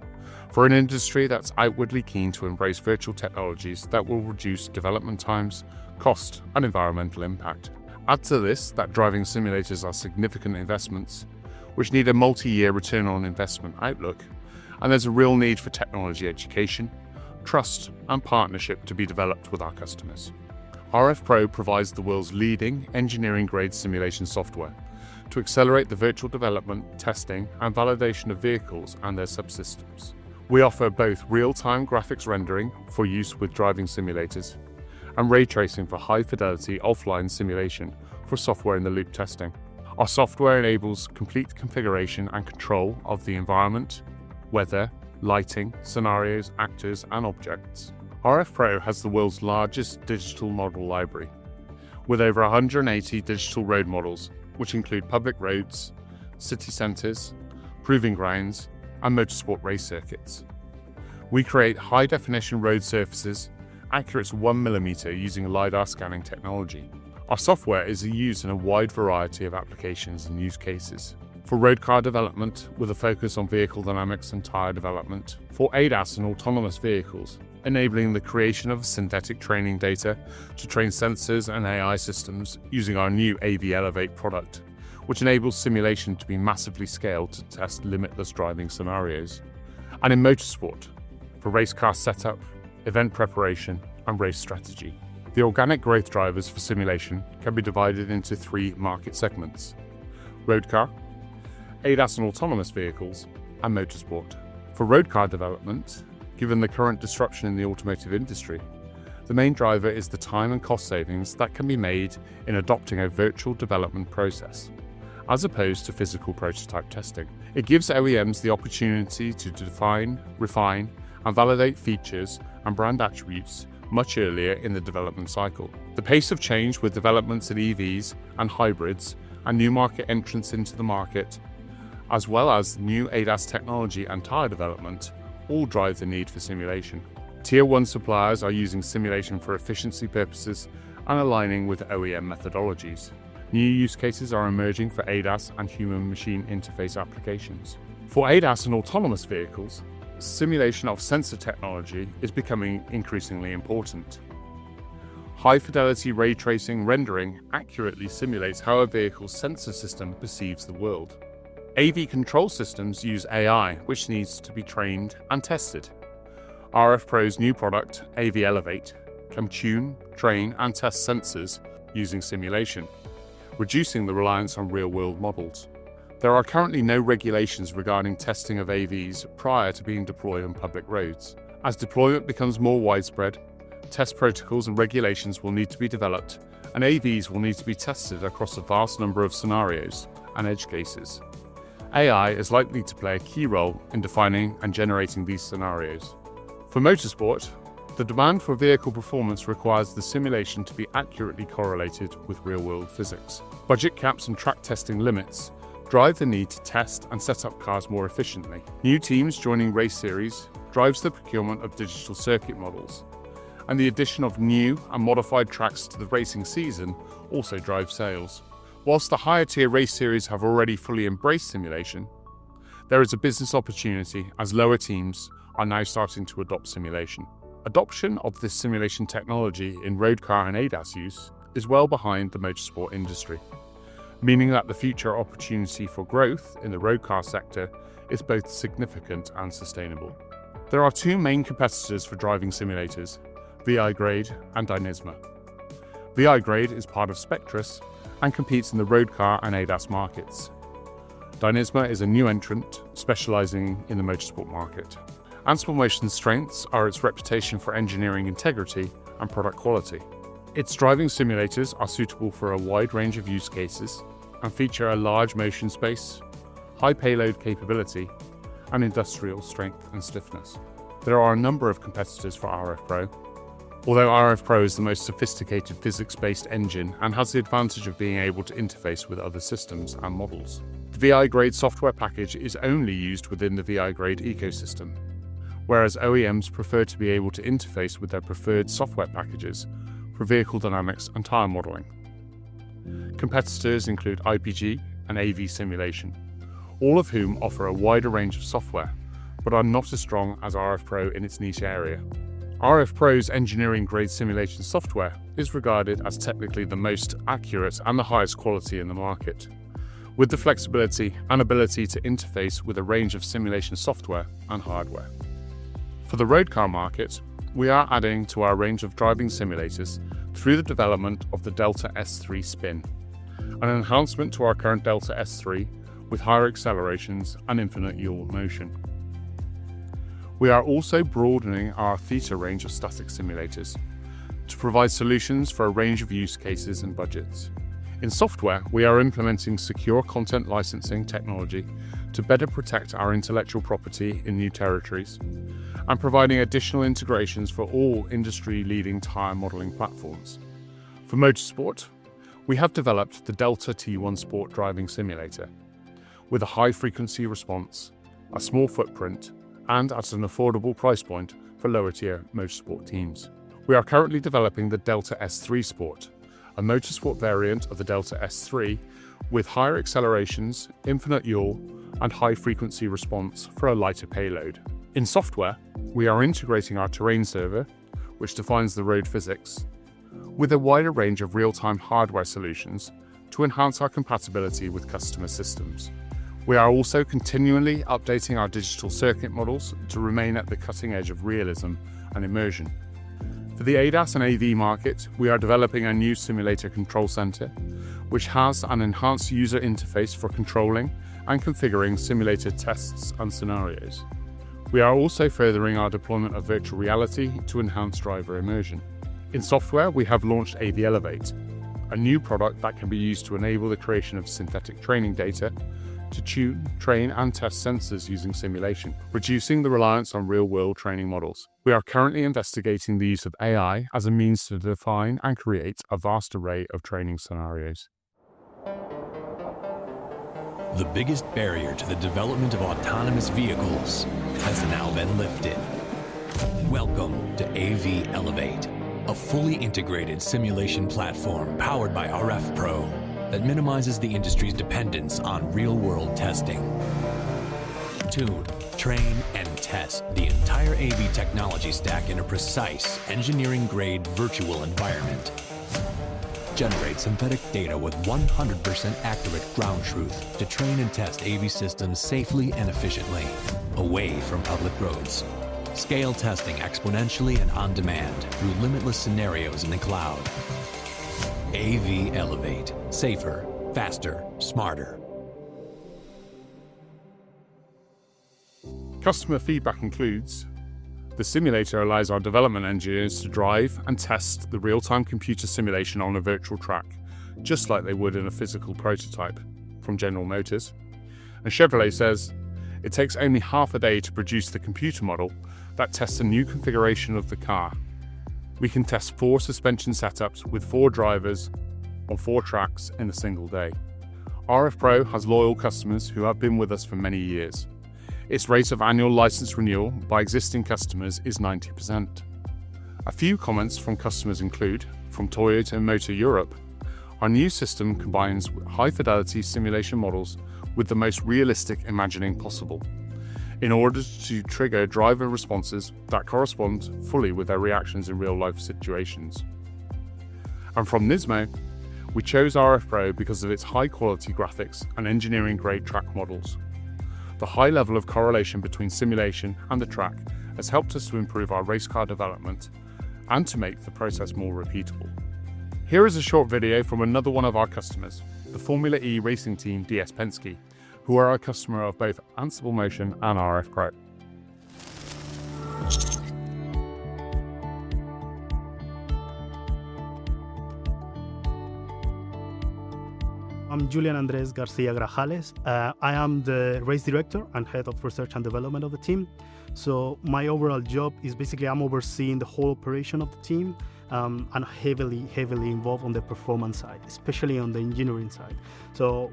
for an industry that is outwardly keen to embrace virtual technologies that will reduce development times, cost, and environmental impact. Add to this that driving simulators are significant investments which need a multi-year return on investment outlook, and there's a real need for technology education, trust, and partnership to be developed with our customers. rFpro provides the world's leading engineering-grade simulation software to accelerate the virtual development, testing, and validation of vehicles and their subsystems. We offer both real-time graphics rendering for use with driving simulators and ray tracing for high-fidelity offline simulation for software-in-the-loop testing. Our software enables complete configuration and control of the environment, weather, lighting, scenarios, actors, and objects. rFpro has the world's largest digital model library with over 180 digital road models, which include public roads, city centers, proving grounds, and motorsport race circuits. We create high-definition road surfaces accurate to one millimeter using LiDAR scanning technology. Our software is used in a wide variety of applications and use cases: for roadcar development with a focus on vehicle dynamics and tire development; for ADAS and autonomous vehicles, enabling the creation of synthetic training data to train sensors and AI systems using our new AB Elevate product, which enables simulation to be massively scaled to test limitless driving scenarios; and in motorsport for race car setup, event preparation, and race strategy. The organic growth drivers for simulation can be divided into three market segments: roadcar, ADAS and autonomous vehicles, and motorsport. For roadcar development, given the current disruption in the automotive industry, the main driver is the time and cost savings that can be made in adopting a virtual development process as opposed to physical prototype testing. It gives OEMs the opportunity to define, refine, and validate features and brand attributes much earlier in the development cycle. The pace of change with developments in EVs and hybrids and new market entrants into the market, as well as new ADAS technology and tire development, all drive the need for simulation. Tier one suppliers are using simulation for efficiency purposes and aligning with OEM methodologies. New use cases are emerging for ADAS and human-machine interface applications. For ADAS and autonomous vehicles, simulation of sensor technology is becoming increasingly important. High-fidelity ray tracing rendering accurately simulates how a vehicle's sensor system perceives the world. AV control systems use AI, which needs to be trained and tested. rFpro's new product, AV Elevate, can tune, train, and test sensors using simulation, reducing the reliance on real-world models. There are currently no regulations regarding testing of AVs prior to being deployed on public roads. As deployment becomes more widespread, test protocols and regulations will need to be developed, and AVs will need to be tested across a vast number of scenarios and edge cases. AI is likely to play a key role in defining and generating these scenarios. For motorsport, the demand for vehicle performance requires the simulation to be accurately correlated with real-world physics. Budget caps and track testing limits drive the need to test and set up cars more efficiently. New teams joining race series drive the procurement of digital circuit models, and the addition of new and modified tracks to the racing season also drives sales. Whilst the higher-tier race series have already fully embraced simulation, there is a business opportunity as lower teams are now starting to adopt simulation. Adoption of this simulation technology in roadcar and ADAS use is well behind the motorsport industry, meaning that the future opportunity for growth in the roadcar sector is both significant and sustainable. There are two main competitors for driving simulators: VI-grade and Dynisma. VI-grade is part of Spectrus and competes in the roadcar and ADAS markets. Dynisma is a new entrant specializing in the motorsport market. Ansible Motion's strengths are its reputation for engineering integrity and product quality. Its driving simulators are suitable for a wide range of use cases and feature a large motion space, high payload capability, and industrial strength and stiffness. There are a number of competitors for rFpro, although rFpro is the most sophisticated physics-based engine and has the advantage of being able to interface with other systems and models. The VI-grade software package is only used within the VI-grade ecosystem, whereas OEMs prefer to be able to interface with their preferred software packages for vehicle dynamics and tire modeling. Competitors include IPG and AV Simulation, all of whom offer a wider range of software but are not as strong as rFpro in its niche area. rFpro's engineering-grade simulation software is regarded as technically the most accurate and the highest quality in the market, with the flexibility and ability to interface with a range of simulation software and hardware. For the roadcar market, we are adding to our range of driving simulators through the development of the Delta S3 Spin, an enhancement to our current Delta S3 with higher accelerations and infinite yaw motion. We are also broadening our Theta range of static simulators to provide solutions for a range of use cases and budgets. In software, we are implementing secure content licensing technology to better protect our intellectual property in new territories and providing additional integrations for all industry-leading tire modeling platforms. For motorsport, we have developed the Delta T1 Sport driving simulator with a high-frequency response, a small footprint, and at an affordable price point for lower-tier motorsport teams. We are currently developing the Delta S3 Sport, a motorsport variant of the Delta S3 with higher accelerations, infinite yaw, and high-frequency response for a lighter payload. In software, we are integrating our terrain server, which defines the road physics, with a wider range of real-time hardware solutions to enhance our compatibility with customer systems. We are also continually updating our digital circuit models to remain at the cutting edge of realism and immersion. For the ADAS and AV market, we are developing a new simulator control center, which has an enhanced user interface for controlling and configuring simulated tests and scenarios. We are also furthering our deployment of virtual reality to enhance driver immersion. In software, we have launched AV Elevate, a new product that can be used to enable the creation of synthetic training data to tune, train, and test sensors using simulation, reducing the reliance on real-world training models. We are currently investigating the use of AI as a means to define and create a vast array of training scenarios. The biggest barrier to the development of autonomous vehicles has now been lifted. Welcome to AV Elevate, a fully integrated simulation platform powered by rFpro that minimizes the industry's dependence on real-world testing. Tune, train, and test the entire AV technology stack in a precise engineering-grade virtual environment. Generate synthetic data with 100% accurate ground truth to train and test AV systems safely and efficiently away from public roads. Scale testing exponentially and on demand through limitless scenarios in the cloud. AV Elevate, safer, faster, smarter. Customer feedback includes the simulator allows our development engineers to drive and test the real-time computer simulation on a virtual track, just like they would in a physical prototype from General Motors. Chevrolet says it takes only half a day to produce the computer model that tests a new configuration of the car. We can test four suspension setups with four drivers on four tracks in a single day. rFpro has loyal customers who have been with us for many years. Its rate of annual license renewal by existing customers is 90%. A few comments from customers include from Toyota Motor Europe: Our new system combines high-fidelity simulation models with the most realistic imaging possible in order to trigger driver responses that correspond fully with their reactions in real-life situations. From Nismo, we chose rFpro because of its high-quality graphics and engineering-grade track models. The high level of correlation between simulation and the track has helped us to improve our race car development and to make the process more repeatable. Here is a short video from another one of our customers, the Formula E racing team DS Penske, who are a customer of both Ansible Motion and rFpro. I'm Julian Andres Garcia-Grajales. I am the Race Director and Head of Research and Development of the team. My overall job is basically I'm overseeing the whole operation of the team and heavily, heavily involved on the performance side, especially on the engineering side.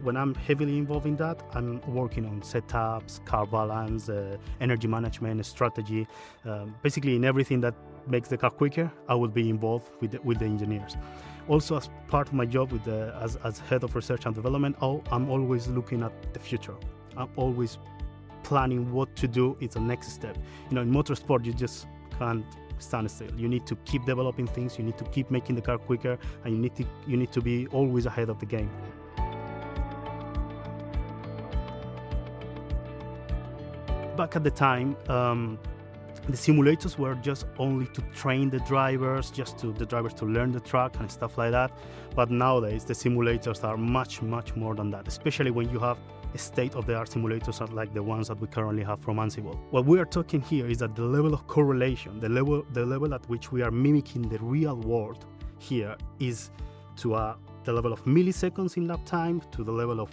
When I'm heavily involved in that, I'm working on setups, car balance, energy management, strategy. Basically, in everything that makes the car quicker, I will be involved with the engineers. Also, as part of my job as Head of Research and Development, I'm always looking at the future. I'm always planning what to do. It's a next step. In motorsport, you just can't stand still. You need to keep developing things. You need to keep making the car quicker, and you need to be always ahead of the game. Back at the time, the simulators were just only to train the drivers, just for the drivers to learn the track and stuff like that. Nowadays, the simulators are much, much more than that, especially when you have state-of-the-art simulators like the ones that we currently have from Ansible. What we are talking here is that the level of correlation, the level at which we are mimicking the real world here is to the level of milliseconds in lap time, to the level of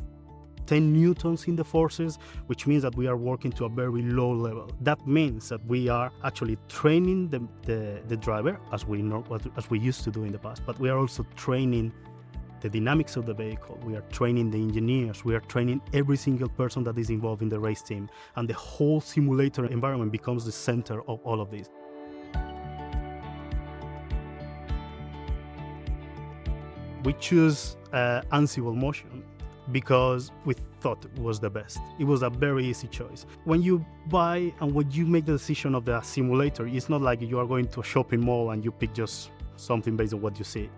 10 newtons in the forces, which means that we are working to a very low level. That means that we are actually training the driver as we used to do in the past, but we are also training the dynamics of the vehicle. We are training the engineers. We are training every single person that is involved in the race team, and the whole simulator environment becomes the center of all of this. We chose Ansible Motion because we thought it was the best. It was a very easy choice. When you buy and when you make the decision of the simulator, it's not like you are going to a shopping mall and you pick just something based on what you see.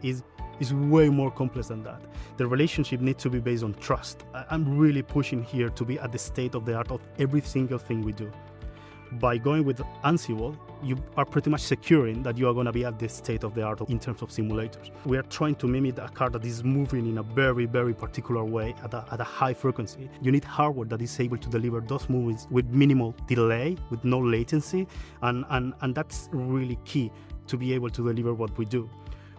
It's way more complex than that. The relationship needs to be based on trust. I'm really pushing here to be at the state of the art of every single thing we do. By going with Ansible, you are pretty much securing that you are going to be at the state of the art in terms of simulators. We are trying to mimic a car that is moving in a very, very particular way at a high frequency. You need hardware that is able to deliver those movements with minimal delay, with no latency, and that's really key to be able to deliver what we do.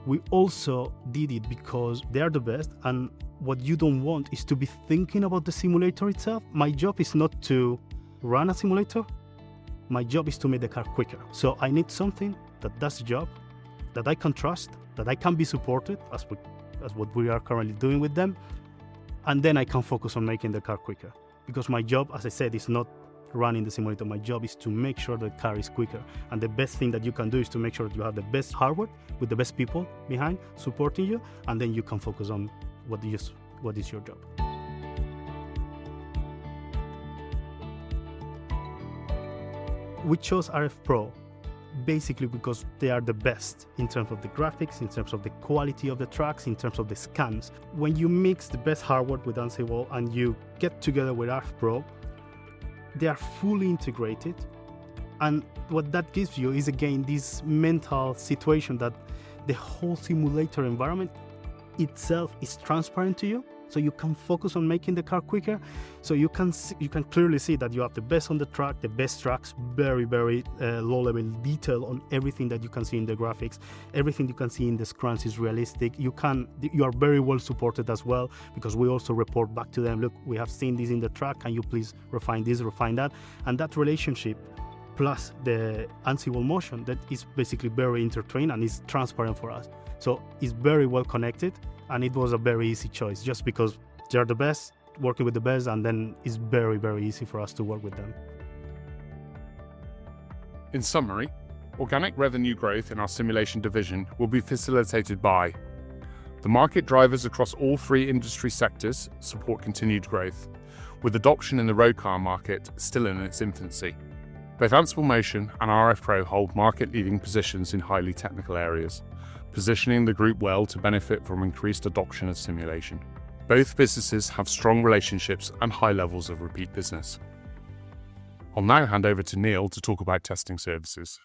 We also did it because they are the best, and what you do not want is to be thinking about the simulator itself. My job is not to run a simulator. My job is to make the car quicker. I need something that does the job, that I can trust, that I can be supported as what we are currently doing with them, and then I can focus on making the car quicker. Because my job, as I said, is not running the simulator. My job is to make sure the car is quicker, and the best thing that you can do is to make sure that you have the best hardware with the best people behind supporting you, and then you can focus on what is your job. We chose rFpro basically because they are the best in terms of the graphics, in terms of the quality of the tracks, in terms of the scans. When you mix the best hardware with Ansible and you get together with rFpro, they are fully integrated, and what that gives you is, again, this mental situation that the whole simulator environment itself is transparent to you, so you can focus on making the car quicker, so you can clearly see that you have the best on the track, the best tracks, very, very low-level detail on everything that you can see in the graphics. Everything you can see in the scans is realistic. You are very well supported as well because we also report back to them, "Look, we have seen this in the track. Can you please refine this, refine that? That relationship, plus the Ansible Motion, is basically very intertwined and is transparent for us. It is very well connected, and it was a very easy choice just because they are the best, working with the best, and then it is very, very easy for us to work with them. In summary, organic revenue growth in our simulation division will be facilitated by the market drivers across all three industry sectors that support continued growth, with adoption in the roadcar market still in its infancy. Both Ansible Motion and rFpro hold market-leading positions in highly technical areas, positioning the group well to benefit from increased adoption of simulation. Both businesses have strong relationships and high levels of repeat business. I will now hand over to Neil to talk about testing services.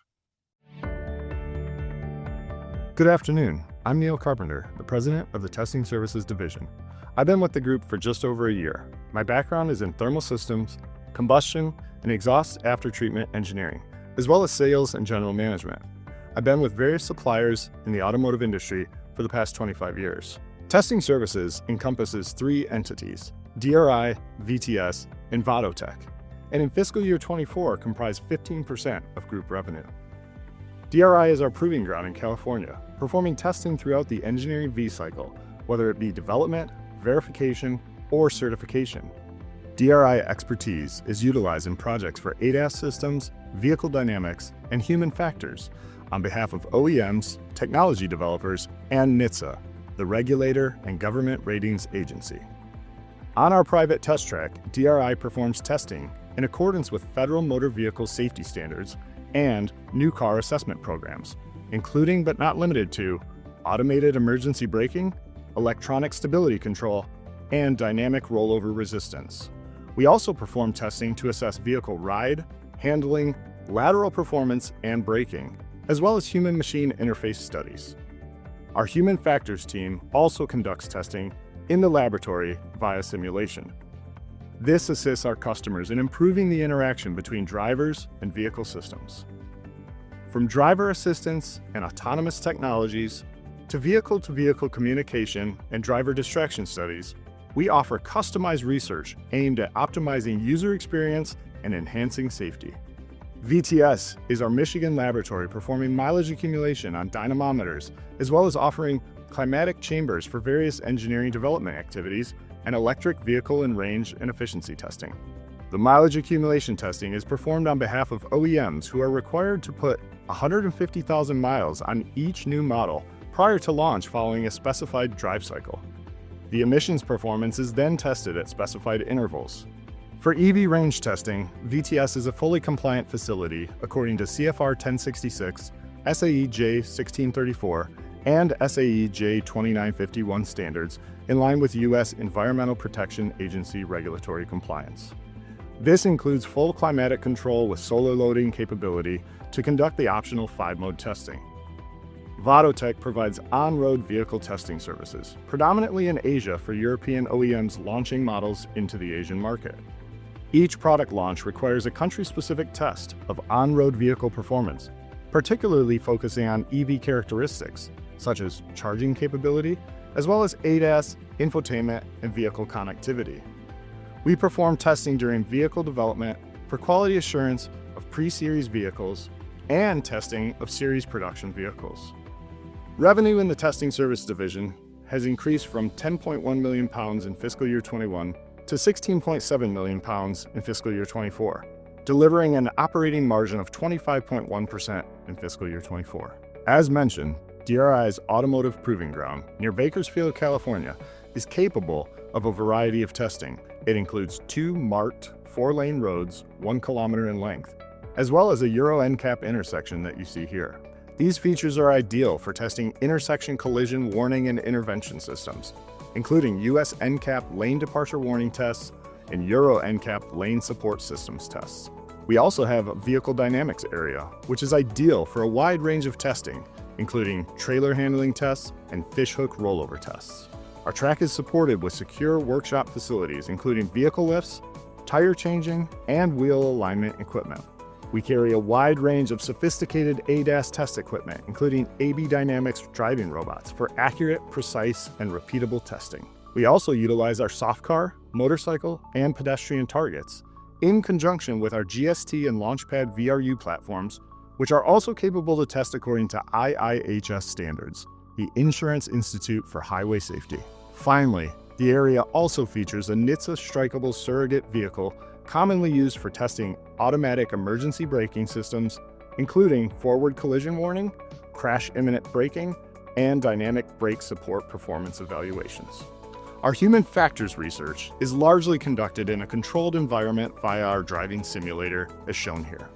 Good afternoon. I am Neil Carpenter, the President of the Testing Services Division. I've been with the group for just over a year. My background is in thermal systems, combustion, and exhaust aftertreatment engineering, as well as sales and general management. I've been with various suppliers in the automotive industry for the past 25 years. Testing services encompasses three entities: DRI, VTS, and VadoTech, and in fiscal year 2024, comprised 15% of group revenue. DRI is our proving ground in California, performing testing throughout the engineering V cycle, whether it be development, verification, or certification. DRI expertise is utilized in projects for ADAS systems, vehicle dynamics, and human factors on behalf of OEMs, technology developers, and NHTSA, the regulator and government ratings agency. On our private test track, DRI performs testing in accordance with federal motor vehicle safety standards and new car assessment programs, including but not limited to automated emergency braking, electronic stability control, and dynamic rollover resistance. We also perform testing to assess vehicle ride, handling, lateral performance, and braking, as well as human-machine interface studies. Our human factors team also conducts testing in the laboratory via simulation. This assists our customers in improving the interaction between drivers and vehicle systems. From driver assistance and autonomous technologies to vehicle-to-vehicle communication and driver distraction studies, we offer customized research aimed at optimizing user experience and enhancing safety. VTS is our Michigan laboratory performing mileage accumulation on dynamometers, as well as offering climatic chambers for various engineering development activities and electric vehicle and range and efficiency testing. The mileage accumulation testing is performed on behalf of OEMs who are required to put 150,000 mi on each new model prior to launch following a specified drive cycle. The emissions performance is then tested at specified intervals. For EV range testing, VTS is a fully compliant facility according to CFR 1066, SAE J1634, and SAE J2951 standards in line with U.S. Environmental Protection Agency regulatory compliance. This includes full climatic control with solar loading capability to conduct the optional five-mode testing. VadoTech provides on-road vehicle testing services, predominantly in Asia for European OEMs launching models into the Asian market. Each product launch requires a country-specific test of on-road vehicle performance, particularly focusing on EV characteristics such as charging capability, as well as ADAS, infotainment, and vehicle connectivity. We perform testing during vehicle development for quality assurance of pre-series vehicles and testing of series production vehicles. Revenue in the Testing Service Division has increased from 10.1 million pounds in fiscal year 2021 to 16.7 million pounds in fiscal year 2024, delivering an operating margin of 25.1% in fiscal year 2024. As mentioned, DRI's automotive proving ground near Bakersfield, California, is capable of a variety of testing. It includes two marked four-lane roads, 1 kilometer in length, as well as a Euro NCAP intersection that you see here. These features are ideal for testing intersection collision warning and intervention systems, including U.S. NCAP lane departure warning tests and Euro NCAP lane support systems tests. We also have a vehicle dynamics area, which is ideal for a wide range of testing, including trailer handling tests and fishhook rollover tests. Our track is supported with secure workshop facilities, including vehicle lifts, tire changing, and wheel alignment equipment. We carry a wide range of sophisticated ADAS test equipment, including AB Dynamics driving robots for accurate, precise, and repeatable testing. We also utilize our soft car, motorcycle, and pedestrian targets in conjunction with our GST and LaunchPad VRU platforms, which are also capable to test according to IIHS standards, the Insurance Institute for Highway Safety. Finally, the area also features a NHTSA strikable surrogate vehicle commonly used for testing automatic emergency braking systems, including forward collision warning, crash imminent braking, and dynamic brake support performance evaluations. Our human factors research is largely conducted in a controlled environment via our driving simulator, as shown here.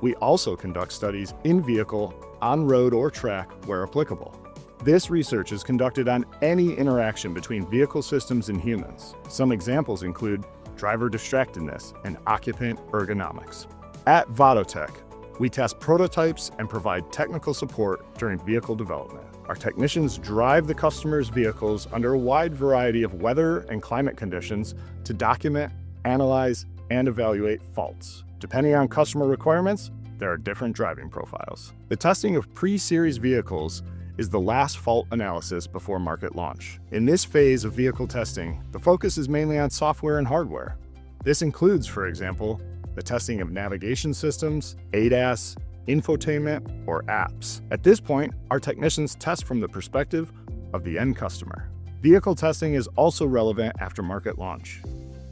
We also conduct studies in vehicle on road or track where applicable. This research is conducted on any interaction between vehicle systems and humans. Some examples include driver distractedness and occupant ergonomics. At VadoTech, we test prototypes and provide technical support during vehicle development. Our technicians drive the customer's vehicles under a wide variety of weather and climate conditions to document, analyze, and evaluate faults. Depending on customer requirements, there are different driving profiles. The testing of pre-series vehicles is the last fault analysis before market launch. In this phase of vehicle testing, the focus is mainly on software and hardware. This includes, for example, the testing of navigation systems, ADAS, infotainment, or apps. At this point, our technicians test from the perspective of the end customer. Vehicle testing is also relevant after market launch.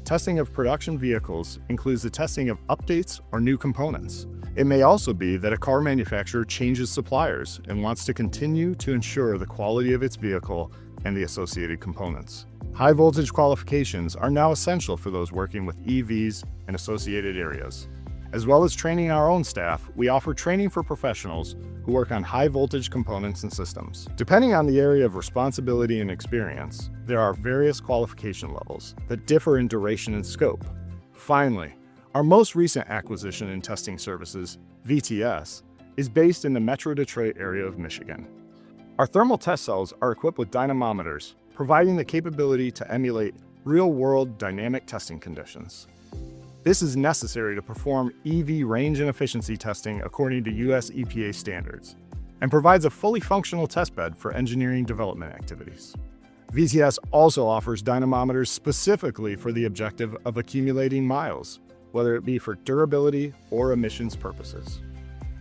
Testing of production vehicles includes the testing of updates or new components. It may also be that a car manufacturer changes suppliers and wants to continue to ensure the quality of its vehicle and the associated components. High voltage qualifications are now essential for those working with EVs and associated areas. As well as training our own staff, we offer training for professionals who work on high voltage components and systems. Depending on the area of responsibility and experience, there are various qualification levels that differ in duration and scope. Finally, our most recent acquisition in Testing Services, VTS, is based in the Metro Detroit area of Michigan. Our thermal test cells are equipped with dynamometers, providing the capability to emulate real-world dynamic testing conditions. This is necessary to perform EV range and efficiency testing according to U.S. EPA standards and provides a fully functional test bed for engineering development activities. VTS also offers dynamometers specifically for the objective of accumulating mi, whether it be for durability or emissions purposes.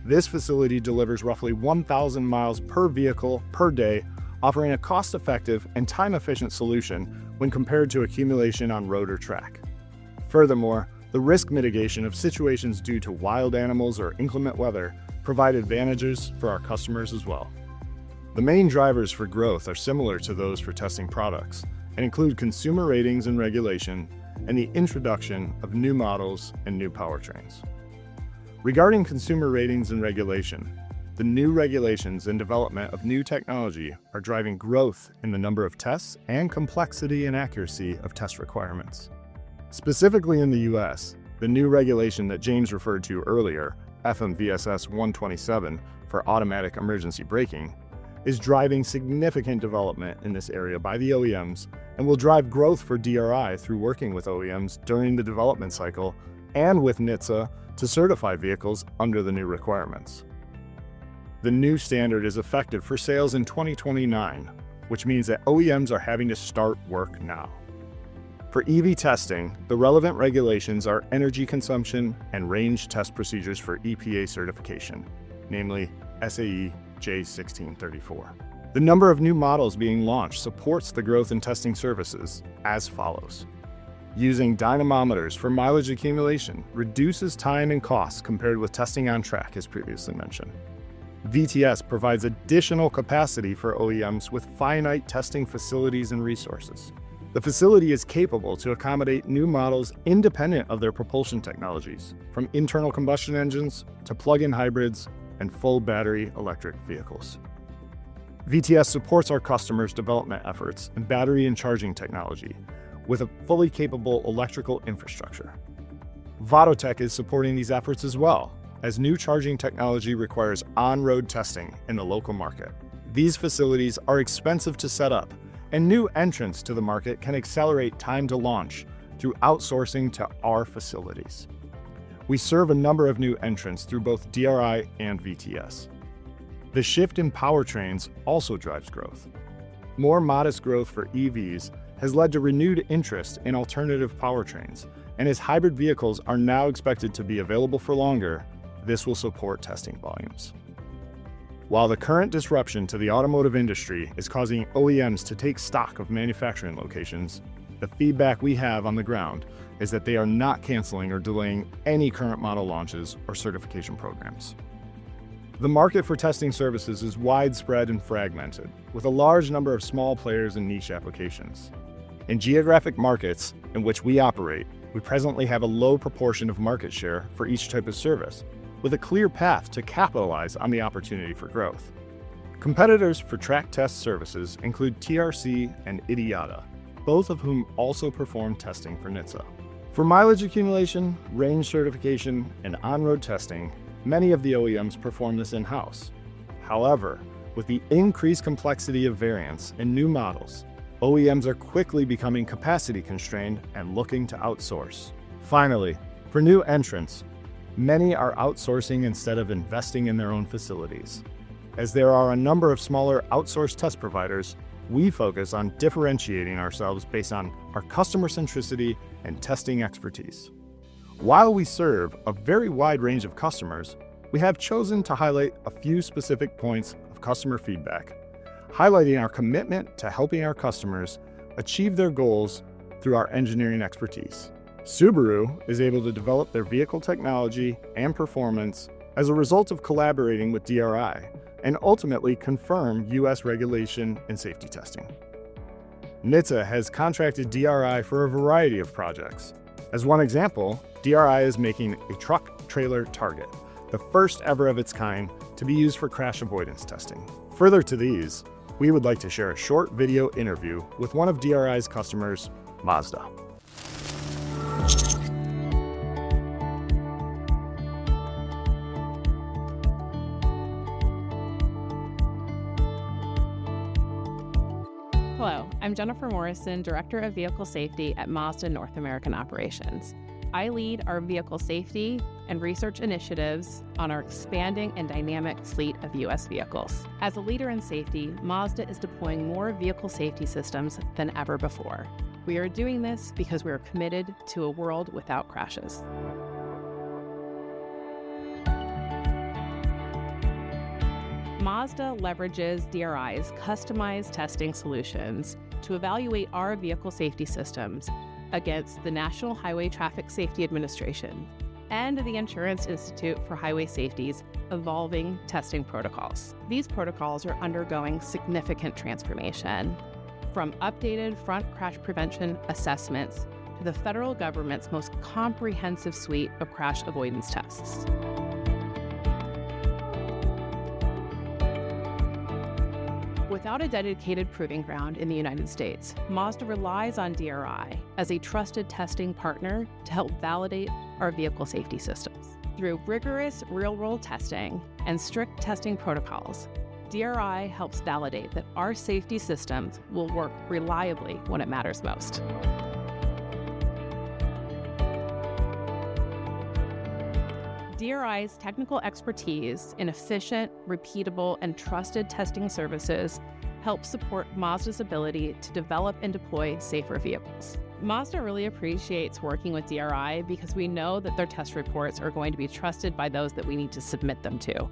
This facility delivers roughly 1,000 mi per vehicle per day, offering a cost-effective and time-efficient solution when compared to accumulation on road or track. Furthermore, the risk mitigation of situations due to wild animals or inclement weather provides advantages for our customers as well. The main drivers for growth are similar to those for testing products and include consumer ratings and regulation and the introduction of new models and new powertrains. Regarding consumer ratings and regulation, the new regulations and development of new technology are driving growth in the number of tests and complexity and accuracy of test requirements. Specifically in the U.S., the new regulation that James referred to earlier, FMVSS 127 for automatic emergency braking, is driving significant development in this area by the OEMs and will drive growth for DRI through working with OEMs during the development cycle and with NHTSA to certify vehicles under the new requirements. The new standard is effective for sales in 2029, which means that OEMs are having to start work now. For EV testing, the relevant regulations are energy consumption and range test procedures for EPA certification, namely SAE J1634. The number of new models being launched supports the growth in Testing Services as follows. Using dynamometers for mileage accumulation reduces time and cost compared with testing on track, as previously mentioned. VTS provides additional capacity for OEMs with finite testing facilities and resources. The facility is capable of accommodating new models independent of their propulsion technologies, from internal combustion engines to plug-in hybrids and full battery electric vehicles. VTS supports our customers' development efforts in battery and charging technology with a fully capable electrical infrastructure. VadoTech is supporting these efforts as well, as new charging technology requires on-road testing in the local market. These facilities are expensive to set up, and new entrants to the market can accelerate time to launch through outsourcing to our facilities. We serve a number of new entrants through both DRI and VTS. The shift in powertrains also drives growth. More modest growth for EVs has led to renewed interest in alternative powertrains, and as hybrid vehicles are now expected to be available for longer, this will support testing volumes. While the current disruption to the automotive industry is causing OEMs to take stock of manufacturing locations, the feedback we have on the ground is that they are not canceling or delaying any current model launches or certification programs. The market for Testing Services is widespread and fragmented, with a large number of small players and niche applications. In geographic markets in which we operate, we presently have a low proportion of market share for each type of service, with a clear path to capitalize on the opportunity for growth. Competitors for track test services include TRC and IDIADA, both of whom also perform testing for NHTSA. For mileage accumulation, range certification, and on-road testing, many of the OEMs perform this in-house. However, with the increased complexity of variants and new models, OEMs are quickly becoming capacity constrained and looking to outsource. Finally, for new entrants, many are outsourcing instead of investing in their own facilities. As there are a number of smaller outsourced test providers, we focus on differentiating ourselves based on our customer centricity and testing expertise. While we serve a very wide range of customers, we have chosen to highlight a few specific points of customer feedback, highlighting our commitment to helping our customers achieve their goals through our engineering expertise. Subaru is able to develop their vehicle technology and performance as a result of collaborating with DRI and ultimately confirm U.S. regulation and safety testing. NHTSA has contracted DRI for a variety of projects. As one example, DRI is making a truck trailer target, the first ever of its kind to be used for crash avoidance testing. Further to these, we would like to share a short video interview with one of DRI's customers, Mazda. Hello, I'm Jennifer Morrison, Director of Vehicle Safety at Mazda North American Operations. I lead our vehicle safety and research initiatives on our expanding and dynamic fleet of U.S. vehicles. As a leader in safety, Mazda is deploying more vehicle safety systems than ever before. We are doing this because we are committed to a world without crashes. Mazda leverages DRI's customized testing solutions to evaluate our vehicle safety systems against the National Highway Traffic Safety Administration and the Insurance Institute for Highway Safety's evolving testing protocols. These protocols are undergoing significant transformation, from updated front crash prevention assessments to the federal government's most comprehensive suite of crash avoidance tests. Without a dedicated proving ground in the U.S., Mazda relies on DRI as a trusted testing partner to help validate our vehicle safety systems. Through rigorous real-world testing and strict testing protocols, DRI helps validate that our safety systems will work reliably when it matters most. DRI's technical expertise in efficient, repeatable, and trusted testing services helps support Mazda's ability to develop and deploy safer vehicles. Mazda really appreciates working with DRI because we know that their test reports are going to be trusted by those that we need to submit them to,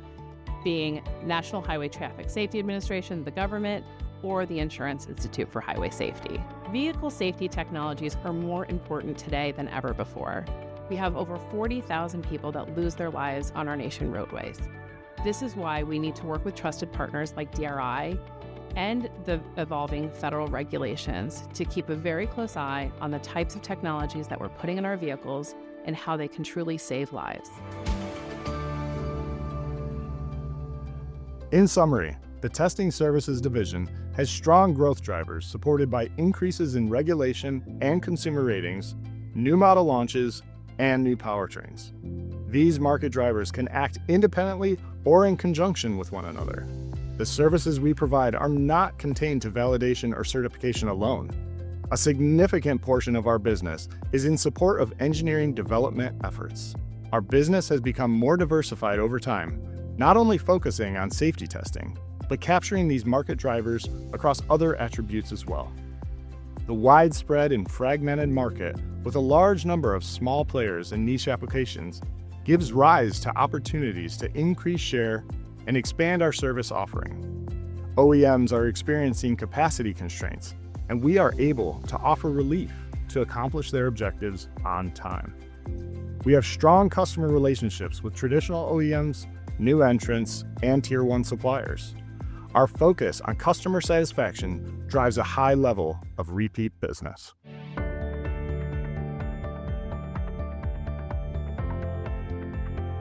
being National Highway Traffic Safety Administration, the government, or the Insurance Institute for Highway Safety. Vehicle safety technologies are more important today than ever before. We have over 40,000 people that lose their lives on our nation's roadways. This is why we need to work with trusted partners like DRI and the evolving federal regulations to keep a very close eye on the types of technologies that we're putting in our vehicles and how they can truly save lives. In summary, the Testing Services Division has strong growth drivers supported by increases in regulation and consumer ratings, new model launches, and new powertrains. These market drivers can act independently or in conjunction with one another. The services we provide are not contained to validation or certification alone. A significant portion of our business is in support of engineering development efforts. Our business has become more diversified over time, not only focusing on safety testing, but capturing these market drivers across other attributes as well. The widespread and fragmented market, with a large number of small players and niche applications, gives rise to opportunities to increase share and expand our service offering. OEMs are experiencing capacity constraints, and we are able to offer relief to accomplish their objectives on time. We have strong customer relationships with traditional OEMs, new entrants, and tier one suppliers. Our focus on customer satisfaction drives a high level of repeat business.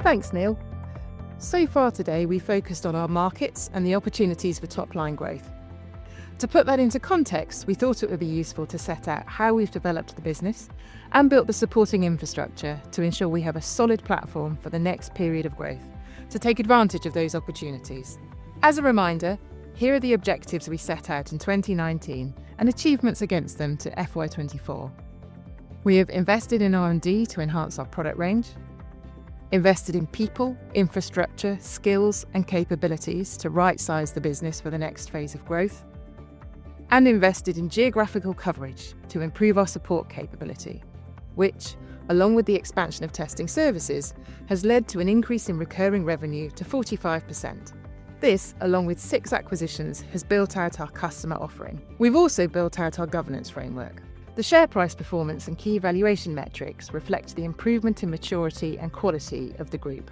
Thanks, Neil. So far today, we focused on our markets and the opportunities for top-line growth. To put that into context, we thought it would be useful to set out how we've developed the business and built the supporting infrastructure to ensure we have a solid platform for the next period of growth to take advantage of those opportunities. As a reminder, here are the objectives we set out in 2019 and achievements against them to FY24. We have invested in R&D to enhance our product range, invested in people, infrastructure, skills, and capabilities to right-size the business for the next phase of growth, and invested in geographical coverage to improve our support capability, which, along with the expansion of Testing Services, has led to an increase in recurring revenue to 45%. This, along with six acquisitions, has built out our customer offering. We've also built out our governance framework. The share price performance and key valuation metrics reflect the improvement in maturity and quality of the group.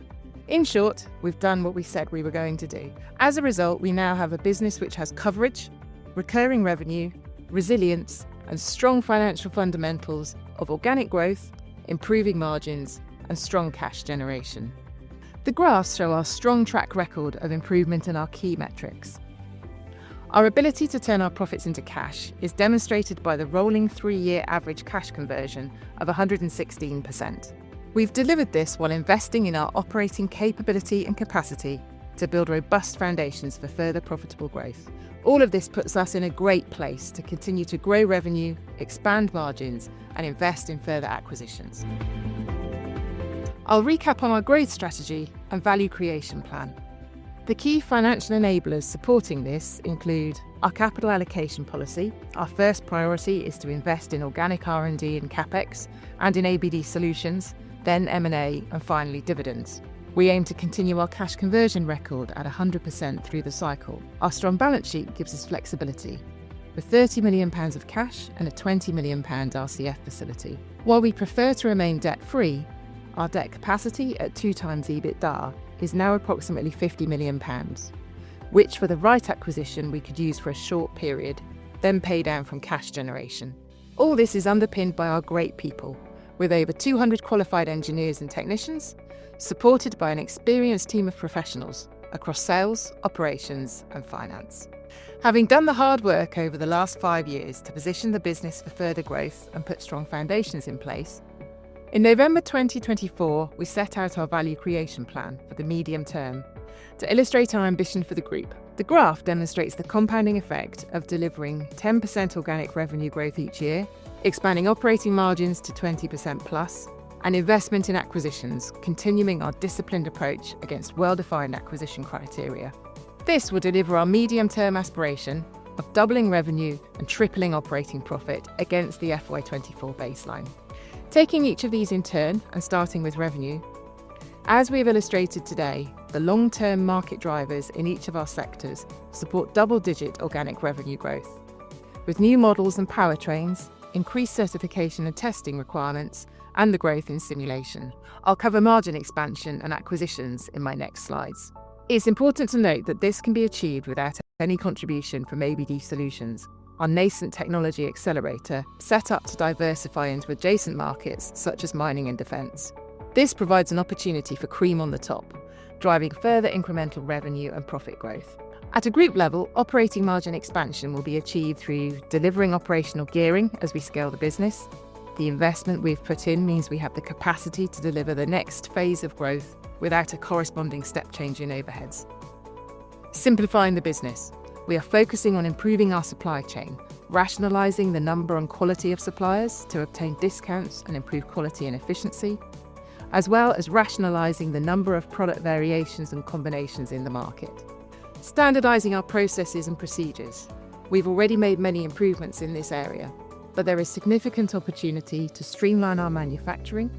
In short, we've done what we said we were going to do. As a result, we now have a business which has coverage, recurring revenue, resilience, and strong financial fundamentals of organic growth, improving margins, and strong cash generation. The graphs show our strong track record of improvement in our key metrics. Our ability to turn our profits into cash is demonstrated by the rolling three-year average cash conversion of 116%. We've delivered this while investing in our operating capability and capacity to build robust foundations for further profitable growth. All of this puts us in a great place to continue to grow revenue, expand margins, and invest in further acquisitions. I'll recap on our growth strategy and value creation plan. The key financial enablers supporting this include our capital allocation policy. Our first priority is to invest in organic R&D and CapEx and in ABD Solutions, then M&A, and finally dividends. We aim to continue our cash conversion record at 100% through the cycle. Our strong balance sheet gives us flexibility with 30 million pounds of cash and a 20 million pound RCF facility. While we prefer to remain debt-free, our debt capacity at two times EBITDA is now approximately 50 million pounds, which, for the right acquisition, we could use for a short period, then pay down from cash generation. All this is underpinned by our great people, with over 200 qualified engineers and technicians supported by an experienced team of professionals across sales, operations, and finance. Having done the hard work over the last five years to position the business for further growth and put strong foundations in place, in November 2024, we set out our value creation plan for the medium term. To illustrate our ambition for the group, the graph demonstrates the compounding effect of delivering 10% organic revenue growth each year, expanding operating margins to 20% plus, and investment in acquisitions, continuing our disciplined approach against well-defined acquisition criteria. This will deliver our medium-term aspiration of doubling revenue and tripling operating profit against the FY24 baseline. Taking each of these in turn and starting with revenue, as we have illustrated today, the long-term market drivers in each of our sectors support double-digit organic revenue growth, with new models and powertrains, increased certification and testing requirements, and the growth in simulation. I will cover margin expansion and acquisitions in my next slides. It is important to note that this can be achieved without any contribution from ABD Solutions, our nascent technology accelerator set up to diversify into adjacent markets such as mining and defense. This provides an opportunity for cream on the top, driving further incremental revenue and profit growth. At a group level, operating margin expansion will be achieved through delivering operational gearing as we scale the business. The investment we've put in means we have the capacity to deliver the next phase of growth without a corresponding step change in overheads. Simplifying the business, we are focusing on improving our supply chain, rationalizing the number and quality of suppliers to obtain discounts and improve quality and efficiency, as well as rationalizing the number of product variations and combinations in the market. Standardizing our processes and procedures, we've already made many improvements in this area, but there is significant opportunity to streamline our manufacturing,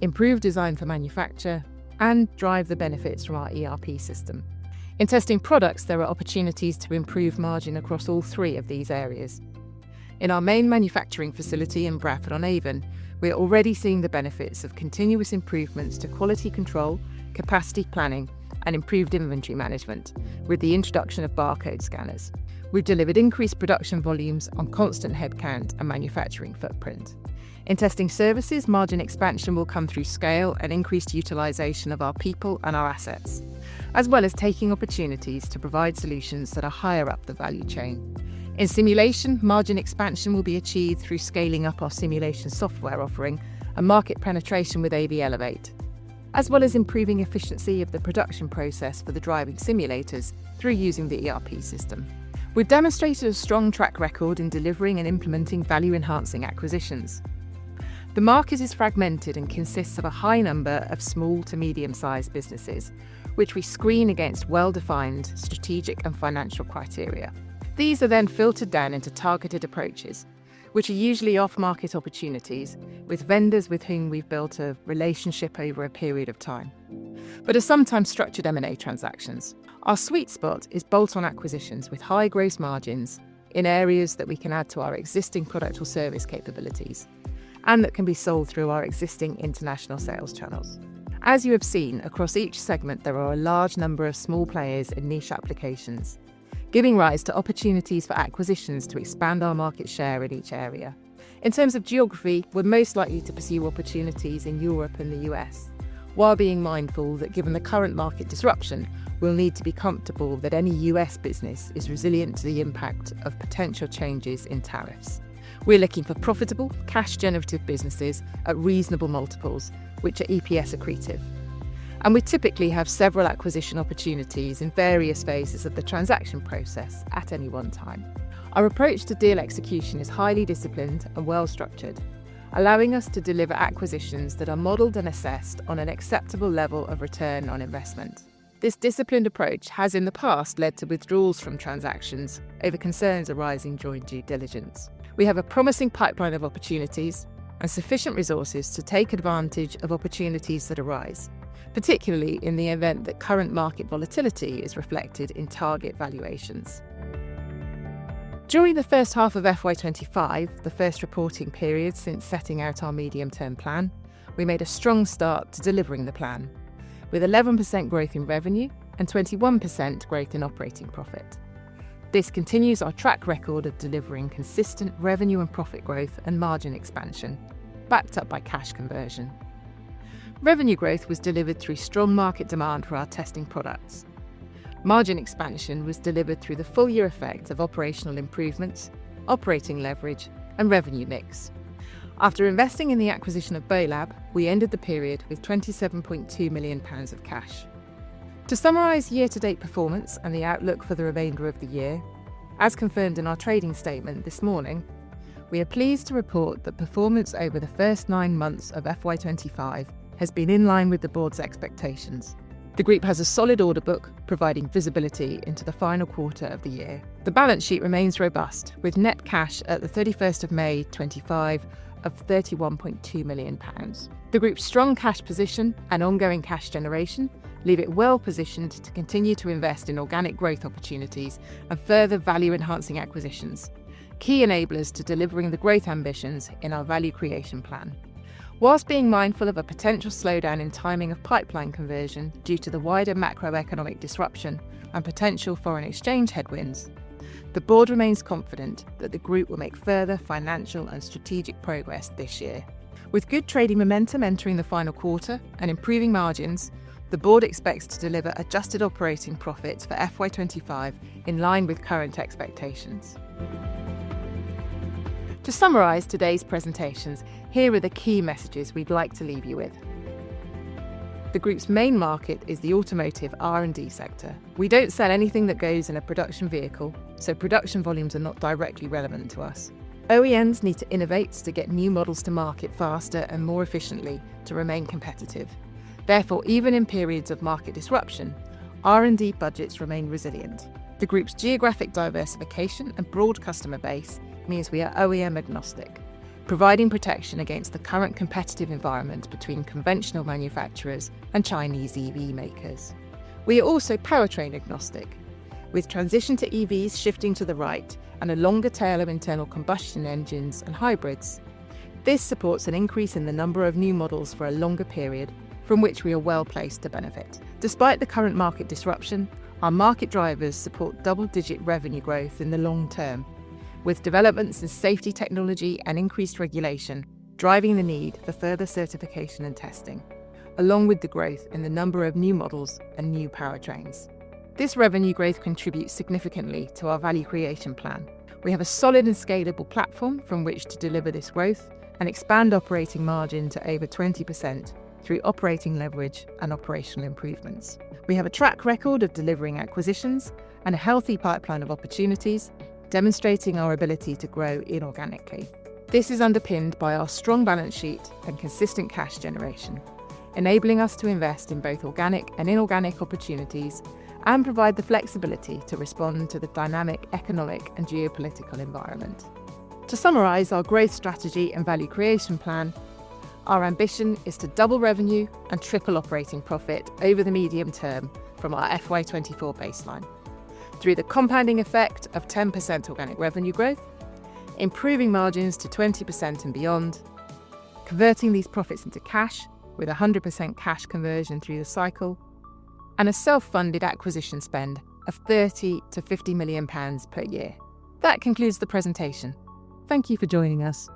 improve design for manufacture, and drive the benefits from our ERP system. In testing products, there are opportunities to improve margin across all three of these areas. In our main manufacturing facility in Bradford on Avon, we're already seeing the benefits of continuous improvements to quality control, capacity planning, and improved inventory management with the introduction of barcode scanners. We've delivered increased production volumes on constant headcount and manufacturing footprint. In Testing Services, margin expansion will come through scale and increased utilization of our people and our assets, as well as taking opportunities to provide solutions that are higher up the value chain. In simulation, margin expansion will be achieved through scaling up our simulation software offering and market penetration with AB Elevate, as well as improving efficiency of the production process for the driving simulators through using the ERP system. We've demonstrated a strong track record in delivering and implementing value-enhancing acquisitions. The market is fragmented and consists of a high number of small to medium-sized businesses, which we screen against well-defined strategic and financial criteria. These are then filtered down into targeted approaches, which are usually off-market opportunities with vendors with whom we've built a relationship over a period of time, but are sometimes structured M&A transactions. Our sweet spot is bolt-on acquisitions with high gross margins in areas that we can add to our existing product or service capabilities and that can be sold through our existing international sales channels. As you have seen, across each segment, there are a large number of small players in niche applications, giving rise to opportunities for acquisitions to expand our market share in each area. In terms of geography, we're most likely to pursue opportunities in Europe and the U.S., while being mindful that given the current market disruption, we'll need to be comfortable that any U.S. business is resilient to the impact of potential changes in tariffs. We're looking for profitable, cash-generative businesses at reasonable multiples, which are EPS-accretive. We typically have several acquisition opportunities in various phases of the transaction process at any one time. Our approach to deal execution is highly disciplined and well-structured, allowing us to deliver acquisitions that are modeled and assessed on an acceptable level of return on investment. This disciplined approach has in the past led to withdrawals from transactions over concerns arising during due diligence. We have a promising pipeline of opportunities and sufficient resources to take advantage of opportunities that arise, particularly in the event that current market volatility is reflected in target valuations. During the first half of FY25, the first reporting period since setting out our medium-term plan, we made a strong start to delivering the plan with 11% growth in revenue and 21% growth in operating profit. This continues our track record of delivering consistent revenue and profit growth and margin expansion, backed up by cash conversion. Revenue growth was delivered through strong market demand for our testing products. Margin expansion was delivered through the full-year effect of operational improvements, operating leverage, and revenue mix. After investing in the acquisition of BOLAB, we ended the period with 27.2 million pounds of cash. To summarize year-to-date performance and the outlook for the remainder of the year, as confirmed in our trading statement this morning, we are pleased to report that performance over the first nine months of FY25 has been in line with the board's expectations. The group has a solid order book, providing visibility into the final quarter of the year. The balance sheet remains robust, with net cash at the 31st of May 2025 of 31.2 million pounds. The group's strong cash position and ongoing cash generation leave it well-positioned to continue to invest in organic growth opportunities and further value-enhancing acquisitions, key enablers to delivering the growth ambitions in our value creation plan. Whilst being mindful of a potential slowdown in timing of pipeline conversion due to the wider macroeconomic disruption and potential foreign exchange headwinds, the board remains confident that the group will make further financial and strategic progress this year. With good trading momentum entering the final quarter and improving margins, the board expects to deliver adjusted operating profits for FY25 in line with current expectations. To summarize today's presentations, here are the key messages we'd like to leave you with. The group's main market is the automotive R&D sector. We do not sell anything that goes in a production vehicle, so production volumes are not directly relevant to us. OEMs need to innovate to get new models to market faster and more efficiently to remain competitive. Therefore, even in periods of market disruption, R&D budgets remain resilient. The group's geographic diversification and broad customer base means we are OEM-agnostic, providing protection against the current competitive environment between conventional manufacturers and Chinese EV makers. We are also powertrain-agnostic, with transition to EVs shifting to the right and a longer tail of internal combustion engines and hybrids. This supports an increase in the number of new models for a longer period, from which we are well-placed to benefit. Despite the current market disruption, our market drivers support double-digit revenue growth in the long term, with developments in safety technology and increased regulation driving the need for further certification and testing, along with the growth in the number of new models and new powertrains. This revenue growth contributes significantly to our value creation plan. We have a solid and scalable platform from which to deliver this growth and expand operating margin to over 20% through operating leverage and operational improvements. We have a track record of delivering acquisitions and a healthy pipeline of opportunities, demonstrating our ability to grow inorganically. This is underpinned by our strong balance sheet and consistent cash generation, enabling us to invest in both organic and inorganic opportunities and provide the flexibility to respond to the dynamic economic and geopolitical environment. To summarize our growth strategy and value creation plan, our ambition is to double revenue and triple operating profit over the medium term from our FY24 baseline through the compounding effect of 10% organic revenue growth, improving margins to 20% and beyond, converting these profits into cash with 100% cash conversion through the cycle, and a self-funded acquisition spend of 30 million-50 million pounds per year. That concludes the presentation. Thank you for joining us.